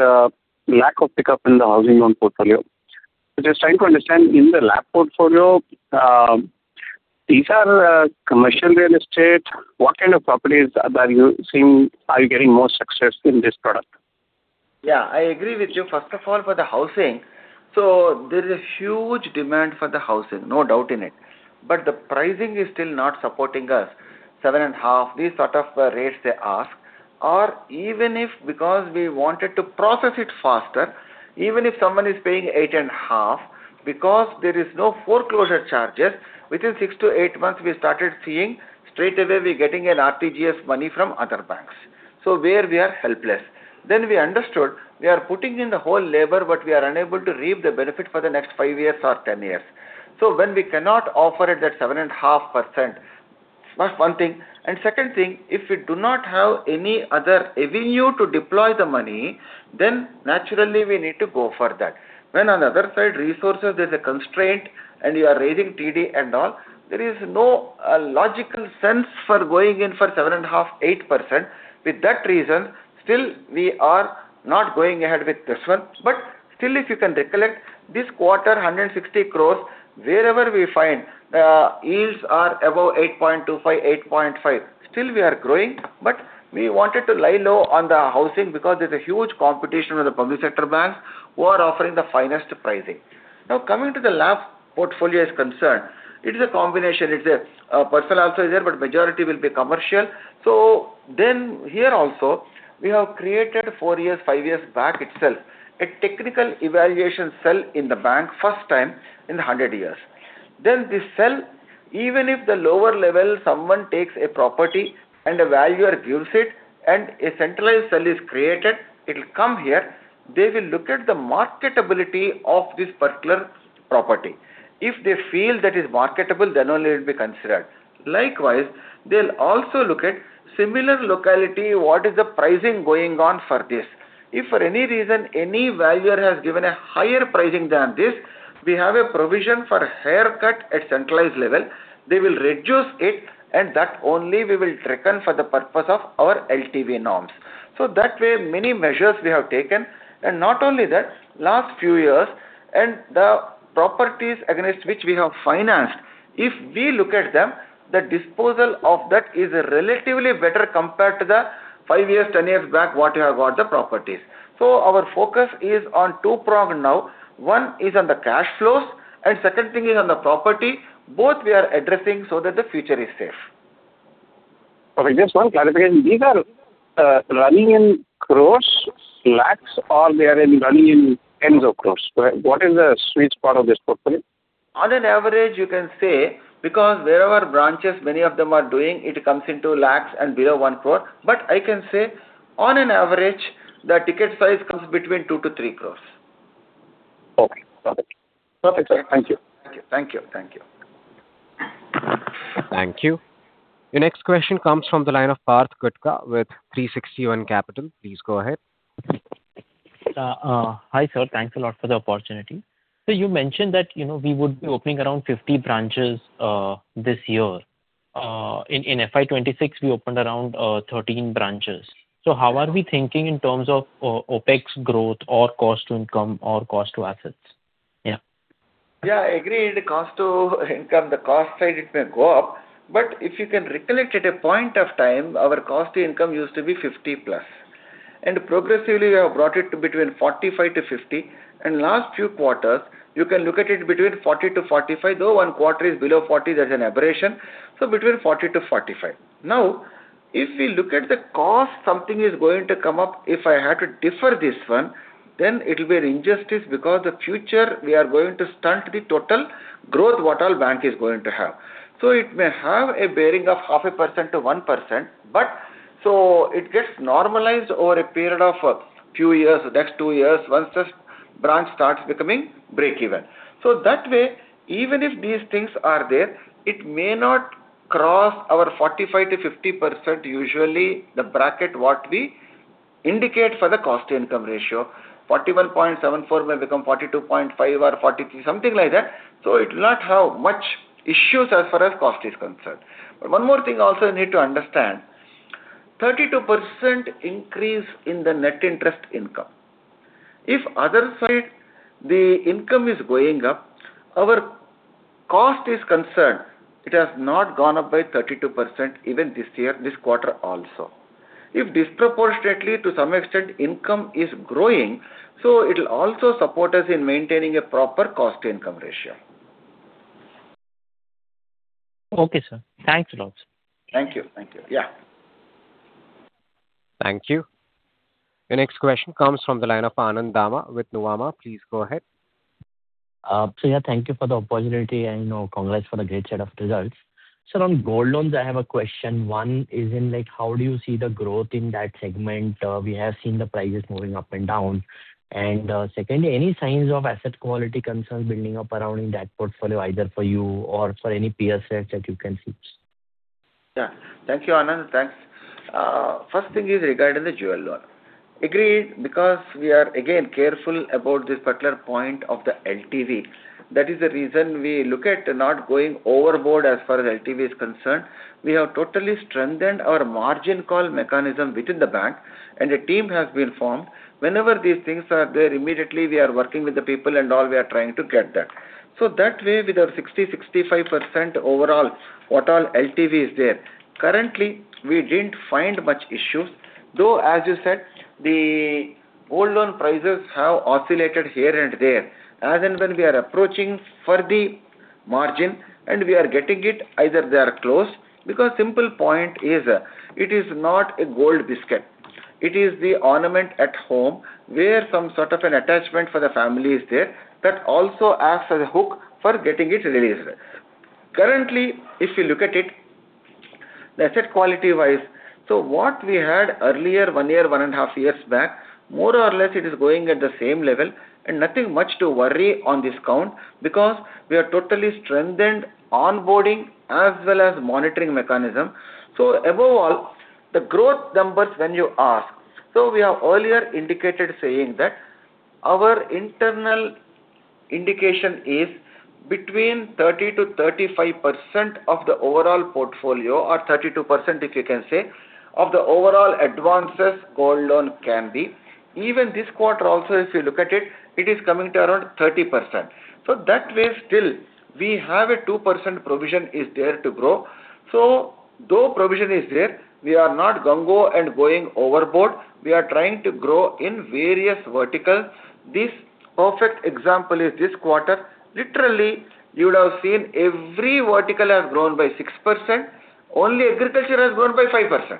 lack of pickup in the housing loan portfolio. Just trying to understand, in the lab portfolio, these are commercial real estate. What kind of properties are you getting more success in this product? Yeah, I agree with you. First of all, for the housing, there is huge demand for the housing. No doubt in it. The pricing is still not supporting us, 7.5%, these sort of rates they ask. Even if, because we wanted to process it faster, even if someone is paying 8.5%, because there is no foreclosure charges, within six to eight months, we started seeing straight away we're getting an RTGS money from other banks. There we are helpless. We understood we are putting in the whole labor, but we are unable to reap the benefit for the next five years or 10 years. When we cannot offer it at 7.5%, that's one thing. Second thing, if we do not have any other avenue to deploy the money, naturally we need to go for that. When on the other side, resources, there's a constraint, you are raising TD and all, there is no logical sense for going in for 7.5%, 8%. With that reason, still, we are not going ahead with this one. Still, if you can recollect, this quarter, 160 crores, wherever we find the yields are above 8.25%, 8.5%, still we are growing, but we wanted to lie low on the housing because there's a huge competition with the public sector banks who are offering the finest pricing. Now, coming to the lab portfolio is concerned, it is a combination. Personal also is there, majority will be commercial. Here also, we have created four years, five years back itself, a technical evaluation cell in the bank, first time in 100 years. This cell, even if the lower level, someone takes a property and a valuer gives it, a centralized cell is created, it will come here, they will look at the marketability of this particular property. If they feel that is marketable, then only it will be considered. They'll also look at similar locality, what is the pricing going on for this. If for any reason any valuer has given a higher pricing than this, we have a provision for a haircut at centralized level. They will reduce it, and that only we will reckon for the purpose of our LTV norms. That way, many measures we have taken. Not only that, last few years, the properties against which we have financed, if we look at them, the disposal of that is relatively better compared to the five years, 10 years back what you have got the properties. Our focus is on two prong now. One is on the cash flows, second thing is on the property. Both we are addressing so that the future is safe. Okay. Just one clarification. These are running in crores, lakhs, or they are running in tens of crores? What is the sweet spot of this portfolio? On an average, you can say, because wherever branches many of them are doing, it comes into lakhs and below 1 crore. I can say on an average, the ticket size comes between 2 crores-3 crores. Okay, perfect. Perfect, sir. Thank you. Thank you. Thank you. Your next question comes from the line of Parth Gutka with 360 ONE Capital. Please go ahead. Hi, sir. Thanks a lot for the opportunity. Sir, you mentioned that we would be opening around 50 branches this year. In FY 2026, we opened around 13 branches. How are we thinking in terms of OpEx growth or cost to income or cost to assets? Yeah. Agreed. The cost to income, the cost side, it may go up, but if you can recollect at a point of time, our cost to income used to be 50%+. Progressively, we have brought it to between 45%-50%. Last few quarters, you can look at it between 40%-45%, though one quarter is below 40%, that's an aberration. Between 40%-45%. If we look at the cost, something is going to come up. If I had to defer this one, it will be an injustice because the future, we are going to stunt the total growth what our bank is going to have. It may have a bearing of 0.5% to 1%. It gets normalized over a period of a few years, the next two years, once this branch starts becoming break even. That way, even if these things are there, it may not cross our 45%-50%, usually the bracket what we indicate for the cost-to-income ratio. 41.74% may become 42.5% or 43%, something like that. It will not have much issues as far as cost is concerned. One more thing also you need to understand, 32% increase in the net interest income. Other side, the income is going up, our cost is concerned, it has not gone up by 32% even this year, this quarter also. Disproportionately to some extent income is growing, it will also support us in maintaining a proper cost-to-income ratio. Okay, sir. Thanks a lot. Thank you. Thank you. Your next question comes from the line of Anand Dama with Nuvama. Please go ahead. Sir, thank you for the opportunity, congrats for the great set of results. Sir, on gold loans, I have a question. One is in how do you see the growth in that segment? We have seen the prices moving up and down. Secondly, any signs of asset quality concern building up around in that portfolio, either for you or for any peer set that you can see? Thank you, Anand. Thanks. First thing is regarding the jewel loan. Agreed, because we are, again, careful about this particular point of the LTV. That is the reason we look at not going overboard as far as LTV is concerned. We have totally strengthened our margin call mechanism within the bank. A team has been formed. Whenever these things are there, immediately we are working with the people and all, we are trying to get that. That way, with our 60%-65% overall, what all LTV is there. Currently, we didn't find much issues, though as you said, the gold loan prices have oscillated here and there. As and when we are approaching for the margin, we are getting it, either they are closed. Simple point is, it is not a gold biscuit. It is the ornament at home where some sort of an attachment for the family is there, that also acts as a hook for getting it released. Currently, if you look at it, the asset quality-wise, what we had earlier, one year, 1.5 years back, more or less it is going at the same level, nothing much to worry on this count. We have totally strengthened onboarding as well as monitoring mechanism. Above all, the growth numbers when you ask. We have earlier indicated saying that our internal indication is between 30%-35% of the overall portfolio, or 32%, if you can say, of the overall advances gold loan can be. Even this quarter also, if you look at it is coming to around 30%. That way, still we have a 2% provision is there to grow. Though provision is there, we are not gung-ho and going overboard. We are trying to grow in various verticals. This perfect example is this quarter. Literally, you would have seen every vertical has grown by 6%. Only agriculture has grown by 5%.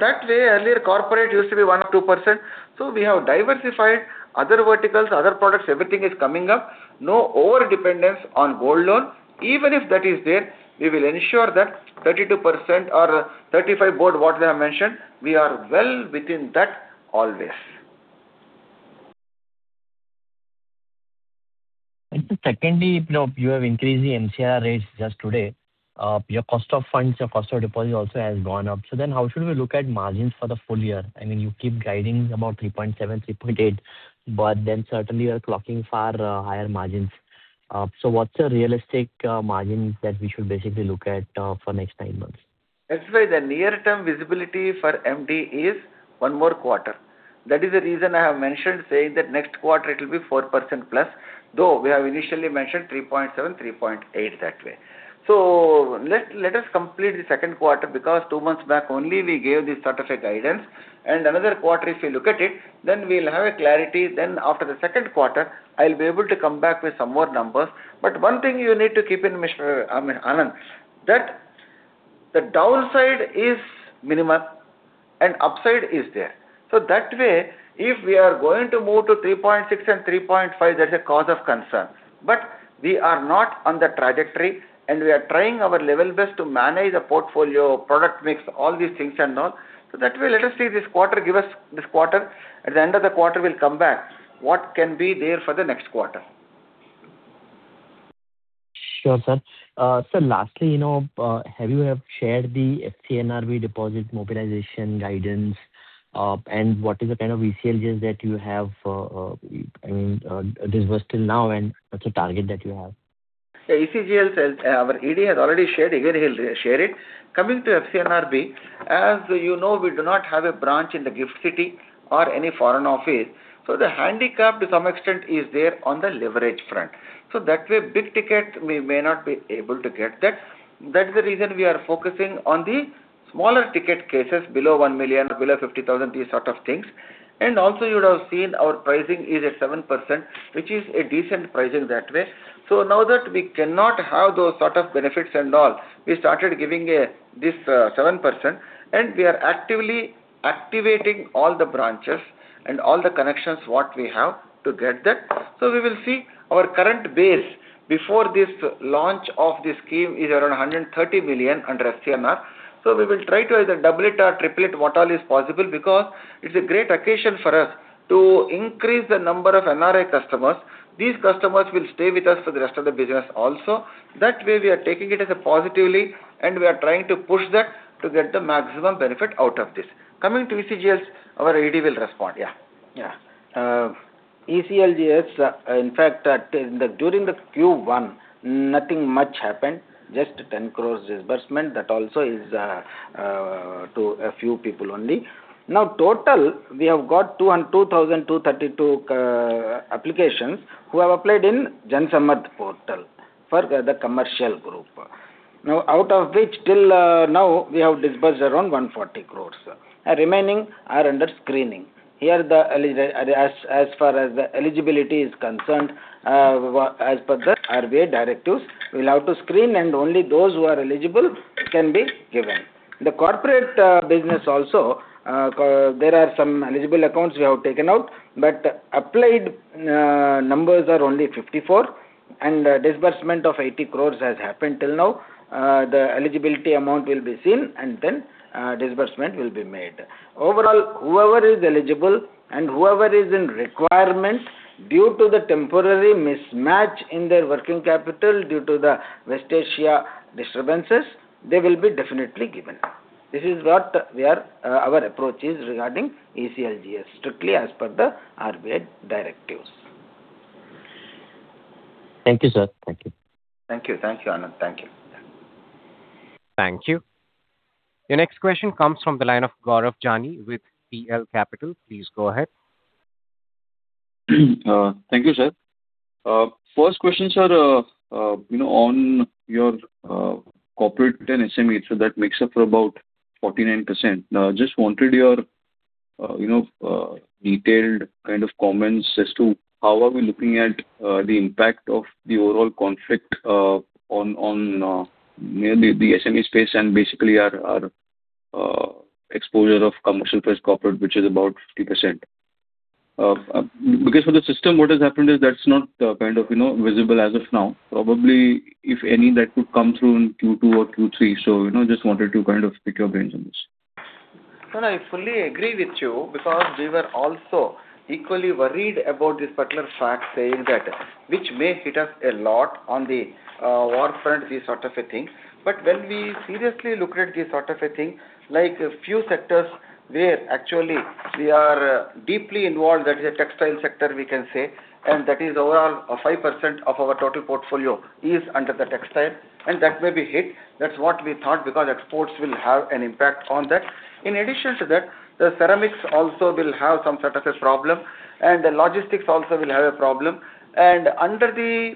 That way, earlier corporate used to be 1% or 2%. We have diversified other verticals, other products, everything is coming up. No overdependence on gold loan. Even if that is there, we will ensure that 32% or 35% gold, what they have mentioned, we are well within that always. Sir, secondly, you have increased the MCLR rates just today. Your cost of funds, your cost of deposit also has gone up. How should we look at margins for the full year? You keep guiding about 3.7%, 3.8%, certainly you're clocking far higher margins. What's a realistic margin that we should basically look at for next nine months? That's why the near-term visibility for MD is one more quarter. That is the reason I have mentioned saying that next quarter it will be 4%+, though we have initially mentioned 3.7%, 3.8% that way. Let us complete the second quarter, because two months back only we gave this sort of a guidance. Another quarter, if you look at it, then we'll have a clarity. Then after the second quarter, I'll be able to come back with some more numbers. One thing you need to keep in mind, Anand, that the downside is minimal and upside is there. That way, if we are going to move to 3.6% and 3.5%, that's a cause of concern. We are not on that trajectory, and we are trying our level best to manage the portfolio, product mix, all these things and all. That way, let us see this quarter, give us this quarter. At the end of the quarter, we'll come back what can be there for the next quarter. Sure, sir. Sir, lastly, have you shared the FCNRB deposit mobilization guidance? What is the kind of ECLGS that you have disbursed till now, and what is the target that you have? ECLGS, our ED has already shared. Again, he will share it. Coming to FCNRB, as you know, we do not have a branch in the Gift City or any foreign office. The handicap to some extent is there on the leverage front. That way, big ticket, we may not be able to get that. That is the reason we are focusing on the smaller ticket cases, below 1 million or below 50,000, these sort of things. Also you would have seen our pricing is at 7%, which is a decent pricing that way. Now that we cannot have those sort of benefits and all, we started giving this 7%, and we are actively activating all the branches and all the connections what we have to get that. We will see our current base before this launch of this scheme is around 130 million under FCNR. We will try to either double it or triple it, what all is possible, because it is a great occasion for us to increase the number of NRI customers. These customers will stay with us for the rest of the business also. That way, we are taking it as a positively, and we are trying to push that to get the maximum benefit out of this. Coming to ECLGS, our ED will respond. ECLGS, in fact, during the Q1, nothing much happened. Just 10 crore disbursement. That also is to a few people only. Total, we have got 2,232 applications who have applied in Jan Samarth Portal for the commercial group. Out of which till now, we have disbursed around 140 crore. Remaining are under screening. Here, as far as the eligibility is concerned, as per the RBI directives, we will have to screen and only those who are eligible can be given. The corporate business also, there are some eligible accounts we have taken out, but applied numbers are only 54, and disbursement of 80 crore has happened till now. The eligibility amount will be seen, and then disbursement will be made. Overall, whoever is eligible and whoever is in requirement due to the temporary mismatch in their working capital due to the West Asia disturbances, they will be definitely given. This is what our approach is regarding ECLGS, strictly as per the RBI directives. Thank you, sir. Thank you. Thank you, Anand. Thank you. Thank you. Your next question comes from the line of Gaurav Jani with PL Capital. Please go ahead. Thank you, sir. First question, sir. On your corporate and SME, that makes up for about 49%. Just wanted your detailed kind of comments as to how are we looking at the impact of the overall conflict on mainly the SME space and basically our exposure of commercial plus corporate, which is about 50%. For the system, what has happened is that's not kind of visible as of now. Probably if any, that could come through in Q2 or Q3. Just wanted to kind of pick your brains on this. Sir, I fully agree with you because we were also equally worried about this particular fact saying that which may hit us a lot on the war front, this sort of a thing. When we seriously look at this sort of a thing, like few sectors where actually we are deeply involved, that is the textile sector, we can say, and that is overall 5% of our total portfolio is under the textile and that may be hit. That's what we thought because exports will have an impact on that. In addition to that, the ceramics also will have some sort of a problem, and the logistics also will have a problem. Under the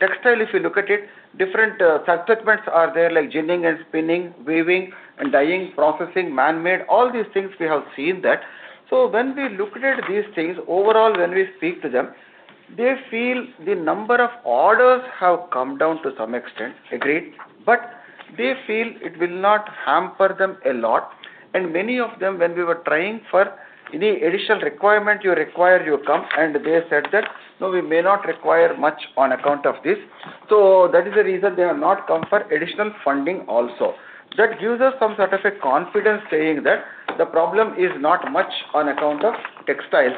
textile, if you look at it, different sub-segments are there, like ginning and spinning, weaving and dyeing, processing, man-made, all these things we have seen that. When we looked at these things, overall when we speak to them, they feel the number of orders have come down to some extent, agreed. They feel it will not hamper them a lot. Many of them, when we were trying for any additional requirement you require, you come, and they said that, "No, we may not require much on account of this." That is the reason they have not come for additional funding also. That gives us some sort of a confidence saying that the problem is not much on account of textiles.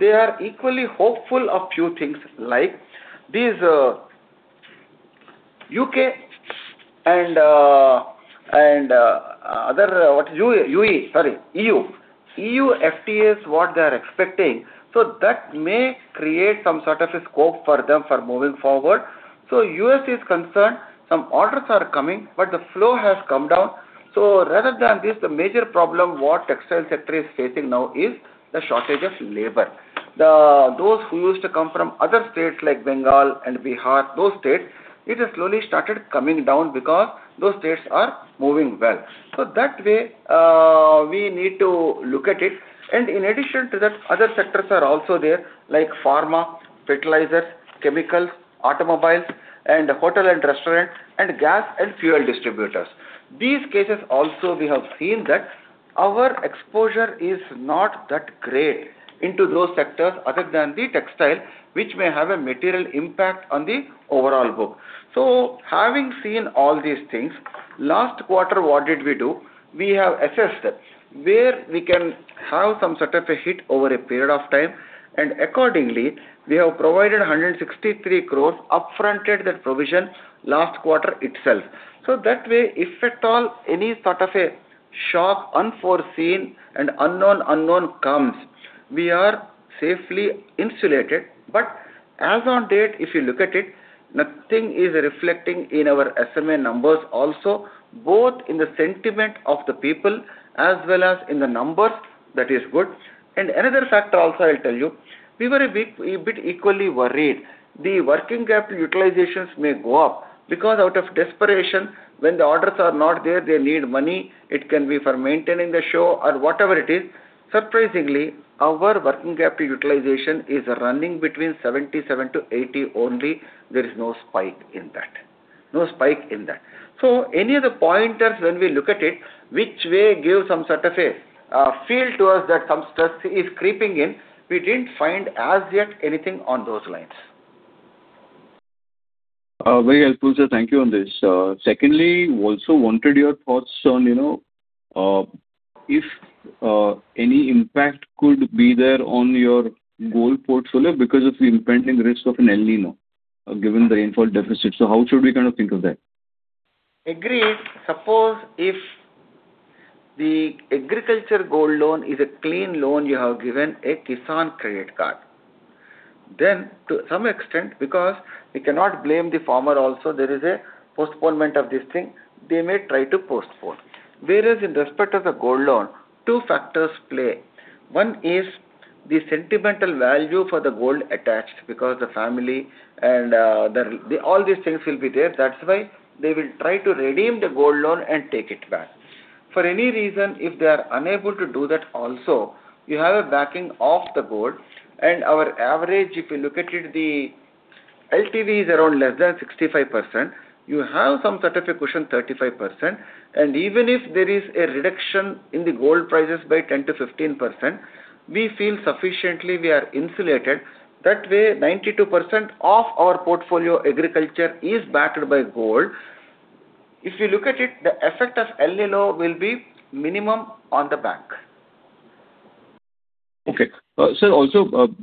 They are equally hopeful of few things like these U.K. and other, Sorry. E.U. EU FTAs, what they are expecting. That may create some sort of a scope for them for moving forward. U.S. is concerned, some orders are coming, but the flow has come down. Rather than this, the major problem what textile sector is facing now is the shortage of labor. Those who used to come from other states like Bengal and Bihar, those states, it has slowly started coming down because those states are moving well. That way, we need to look at it. In addition to that, other sectors are also there, like pharma, fertilizers, chemicals, automobiles, and hotel and restaurant, and gas and fuel distributors. These cases also, we have seen that our exposure is not that great into those sectors other than the textile, which may have a material impact on the overall book. Having seen all these things, last quarter, what did we do? We have assessed where we can have some sort of a hit over a period of time, and accordingly, we have provided 163 crore, up-fronted that provision last quarter itself. That way, if at all any sort of a shock, unforeseen and unknown comes, we are safely insulated. As on date, if you look at it, nothing is reflecting in our SME numbers also, both in the sentiment of the people as well as in the numbers. That is good. Another factor also I will tell you, we were a bit equally worried. The working capital utilizations may go up because out of desperation, when the orders are not there, they need money. It can be for maintaining the show or whatever it is. Surprisingly, our working capital utilization is running between 77-80 only. There is no spike in that. Any of the pointers when we look at it, which way gives some sort of a feel to us that some stress is creeping in, we didn't find as yet anything on those lines. Very helpful, sir. Thank you on this. Secondly, also wanted your thoughts on if any impact could be there on your gold portfolio because of the impending risk of El Niño, given the rainfall deficit. How should we kind of think of that? Agreed. Suppose if the agriculture gold loan is a clean loan you have given a Kisan credit card, then to some extent, because we cannot blame the farmer also, there is a postponement of this thing. They may try to postpone. Whereas in respect of the gold loan, two factors play. One is the sentimental value for the gold attached because the family and all these things will be there. That's why they will try to redeem the gold loan and take it back. For any reason, if they are unable to do that also, you have a backing of the gold, and our average, if you look at it, the LTV is around less than 65%. You have some sort of a cushion, 35%. Even if there is a reduction in the gold prices by 10%-15%, we feel sufficiently we are insulated. That way, 92% of our portfolio agriculture is backed by gold. If you look at it, the effect of El Niño will be minimum on the bank. Okay. Sir,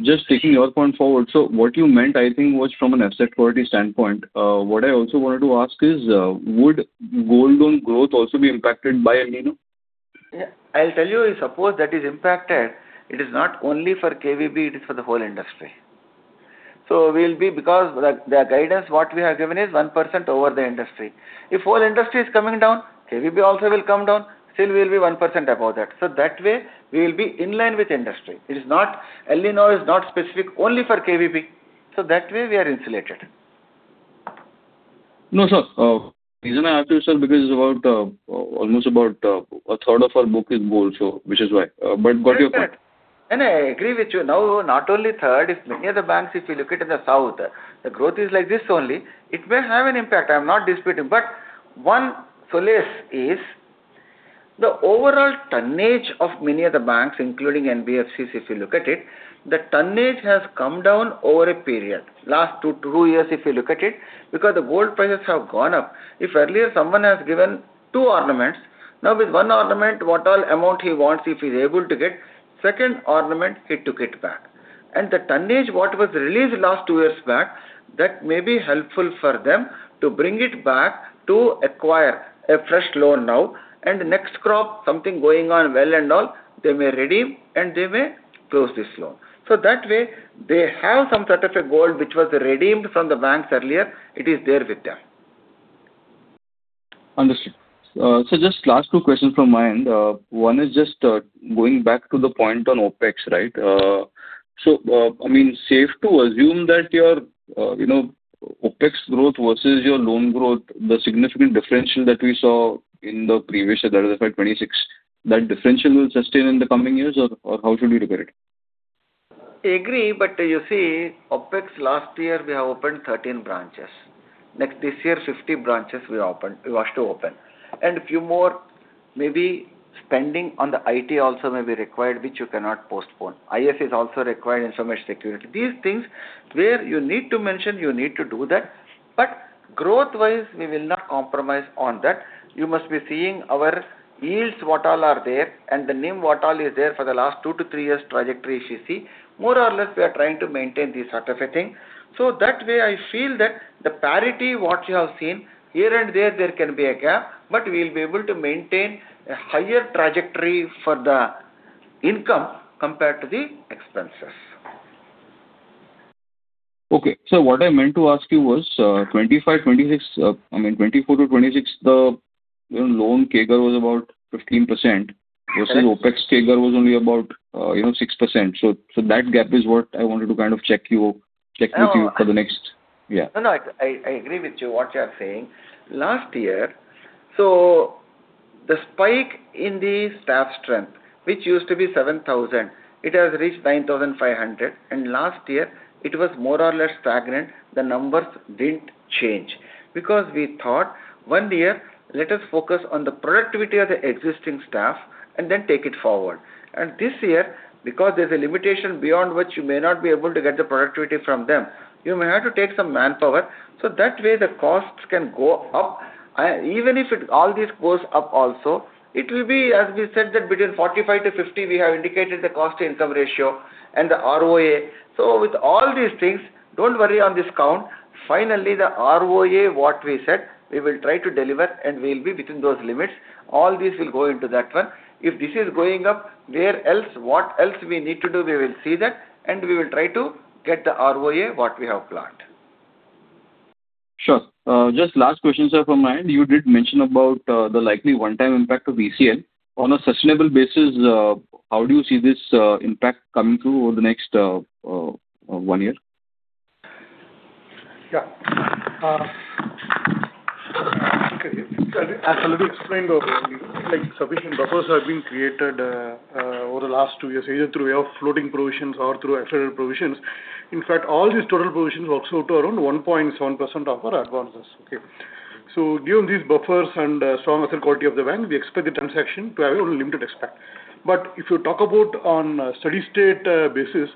just taking your point forward. What you meant, I think, was from an asset quality standpoint. What I also wanted to ask is would gold loan growth also be impacted by El Niño? Yeah. I'll tell you, suppose that is impacted, it is not only for KVB, it is for the whole industry. The guidance, what we have given is 1% over the industry. If whole industry is coming down, KVB also will come down, still we'll be 1% above that. That way we'll be in line with industry. El Niño is not specific only for KVB. That way we are insulated. No, sir. The reason I ask you, sir, almost about a third of our book is gold, which is why. Got your point. I agree with you. Now, not only third, if many other banks, if you look at in the South, the growth is like this only. It may have an impact, I'm not disputing. One solace is the overall tonnage of many other banks, including NBFCs, if you look at it, the tonnage has come down over a period. Last two years, if you look at it, the gold prices have gone up. If earlier someone has given two ornaments, now with one ornament, what all amount he wants, if he's able to get, second ornament, he took it back. The tonnage, what was released last two years back, that may be helpful for them to bring it back to acquire a fresh loan now. Next crop, something going on well and all, they may redeem and they may close this loan. That way, they have some sort of a gold which was redeemed from the banks earlier, it is there with them. Understood. Sir, just last two questions from my end. One is just going back to the point on OpEx, right? Safe to assume that your OpEx growth versus your loan growth, the significant differential that we saw in the previous, that is FY 2026, that differential will sustain in the coming years or how should we look at it? You see, OpEx last year, we have opened 13 branches. This year, 50 branches we wish to open. Few more maybe spending on the IT also may be required, which you cannot postpone. IS is also required, information security. These things where you need to mention, you need to do that. Growth wise, we will not compromise on that. You must be seeing our yields what all are there, and the NIM what all is there for the last two to three years trajectory if you see. More or less, we are trying to maintain this sort of a thing. That way I feel that the parity what you have seen, here and there can be a gap, but we will be able to maintain a higher trajectory for the income compared to the expenses. Okay. Sir, what I meant to ask you was, 2024 to 2026, the loan CAGR was about 15%, versus OpEx CAGR was only about 6%. That gap is what I wanted to kind of check with you for the next. No, I agree with you, what you are saying. Last year, the spike in the staff strength, which used to be 7,000, it has reached 9,500, and last year it was more or less stagnant. The numbers didn't change. We thought, one year, let us focus on the productivity of the existing staff and then take it forward. This year, because there's a limitation beyond which you may not be able to get the productivity from them, you may have to take some manpower. That way the costs can go up. Even if all this goes up also, it will be, as we said, that between 45-50 we have indicated the cost-to-income ratio and the ROA. With all these things, don't worry on this count. Finally, the ROA, what we said, we will try to deliver, and we'll be within those limits. All this will go into that one. If this is going up, where else, what else we need to do, we will see that, and we will try to get the ROA what we have planned. Sure. Just last question, sir, from my end. You did mention about the likely one-time impact of ECL. On a sustainable basis, how do you see this impact coming through over the next one year? Okay. As Ramesh explained, sufficient buffers have been created over the last two years, either through way of floating provisions or through accelerated provisions. In fact, all these total provisions works out to around 1.7% of our advances. Okay. Given these buffers and strong asset quality of the bank, we expect the transaction to have a limited impact. If you talk about on a steady state basis,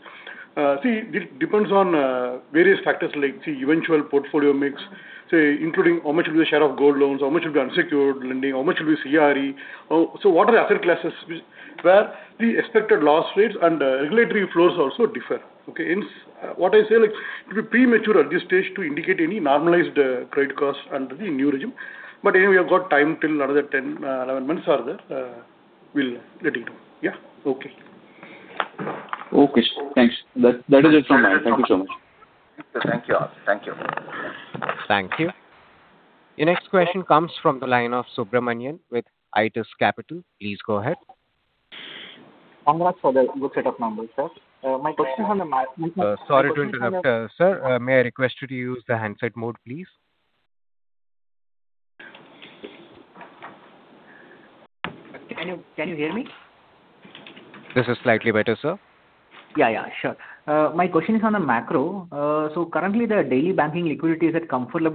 it depends on various factors like the eventual portfolio mix, including how much will be the share of gold loans, how much will be unsecured lending, how much will be CRE. What are the asset classes where the expected loss rates and regulatory flows also differ. Hence, what I say, it will be premature at this stage to indicate any normalized credit costs under the new regime. Anyway, we have got time till another 10, 11 months are there. We'll let it roll. Yeah? Okay. Okay, thanks. That is it from my end. Thank you so much. Thank you. Thank you. Thank you. The next question comes from the line of Subramanian with IHS Capital. Please go ahead. Congrats for the good set of numbers, sir. Sorry to interrupt, sir. May I request you to use the handset mode, please? Can you hear me? This is slightly better, sir. Yeah, sure. My question is on the macro. Currently, the daily banking liquidity is at comfortable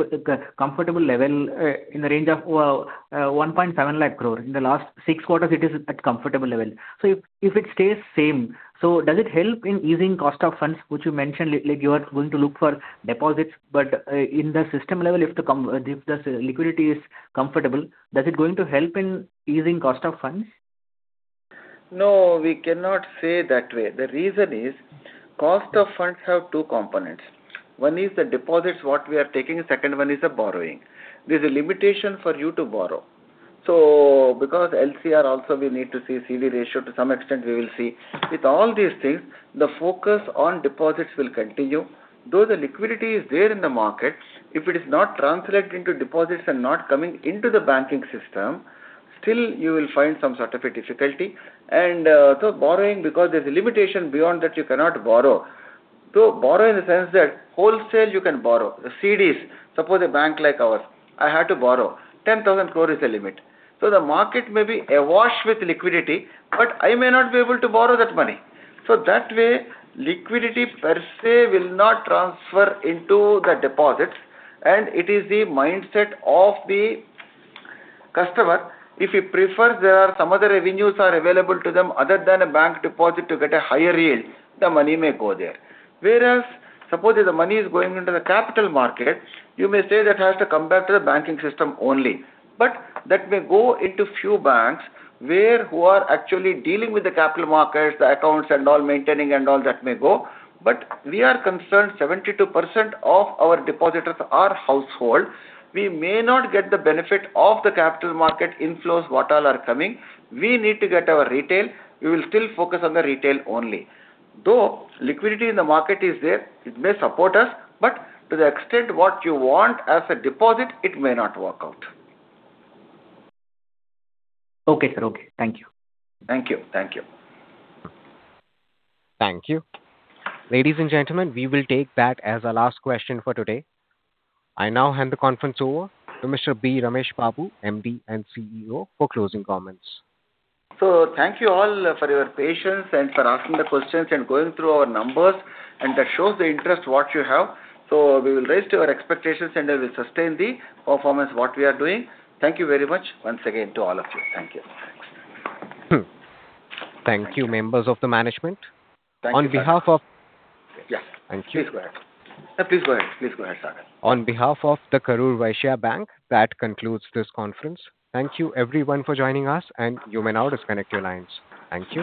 level in the range of 1.7 lakh crore. In the last six quarters, it is at comfortable level. If it stays same, does it help in easing cost of funds, which you mentioned, like you are going to look for deposits, in the system level, if the liquidity is comfortable, does it going to help in easing cost of funds? No, we cannot say that way. The reason is cost of funds have two components. One is the deposits, what we are taking. Second one is the borrowing. There's a limitation for you to borrow. Because LCR also we need to see CD ratio to some extent we will see. With all these things, the focus on deposits will continue. Though the liquidity is there in the market, if it is not translating to deposits and not coming into the banking system, still you will find some sort of a difficulty. Borrowing because there's a limitation, beyond that, you cannot borrow. Borrow in the sense that wholesale you can borrow. The CDs, suppose a bank like ours, I had to borrow 10,000 crore is the limit. The market may be awash with liquidity, but I may not be able to borrow that money. That way, liquidity per se will not transfer into the deposits, and it is the mindset of the customer. If he prefers, there are some other revenues are available to them other than a bank deposit to get a higher yield, the money may go there. Whereas, suppose if the money is going into the capital market, you may say that has to come back to the banking system only. That may go into few banks where who are actually dealing with the capital markets, the accounts and all maintaining and all that may go. We are concerned 72% of our depositors are household. We may not get the benefit of the capital market inflows, what all are coming. We need to get our retail. We will still focus on the retail only. liquidity in the market is there, it may support us, but to the extent what you want as a deposit, it may not work out. Okay, sir. Okay. Thank you. Thank you. Thank you. Ladies and gentlemen, we will take that as our last question for today. I now hand the conference over to Mr. B. Ramesh Babu, MD and CEO, for closing comments. Thank you all for your patience and for asking the questions and going through our numbers. That shows the interest, what you have. We will raise to your expectations, and we will sustain the performance, what we are doing. Thank you very much once again to all of you. Thank you. Thank you, members of the management. Thank you. On behalf of-- Yes. Please go ahead, sir. On behalf of The Karur Vysya Bank, that concludes this conference. Thank you everyone for joining us, and you may now disconnect your lines. Thank you.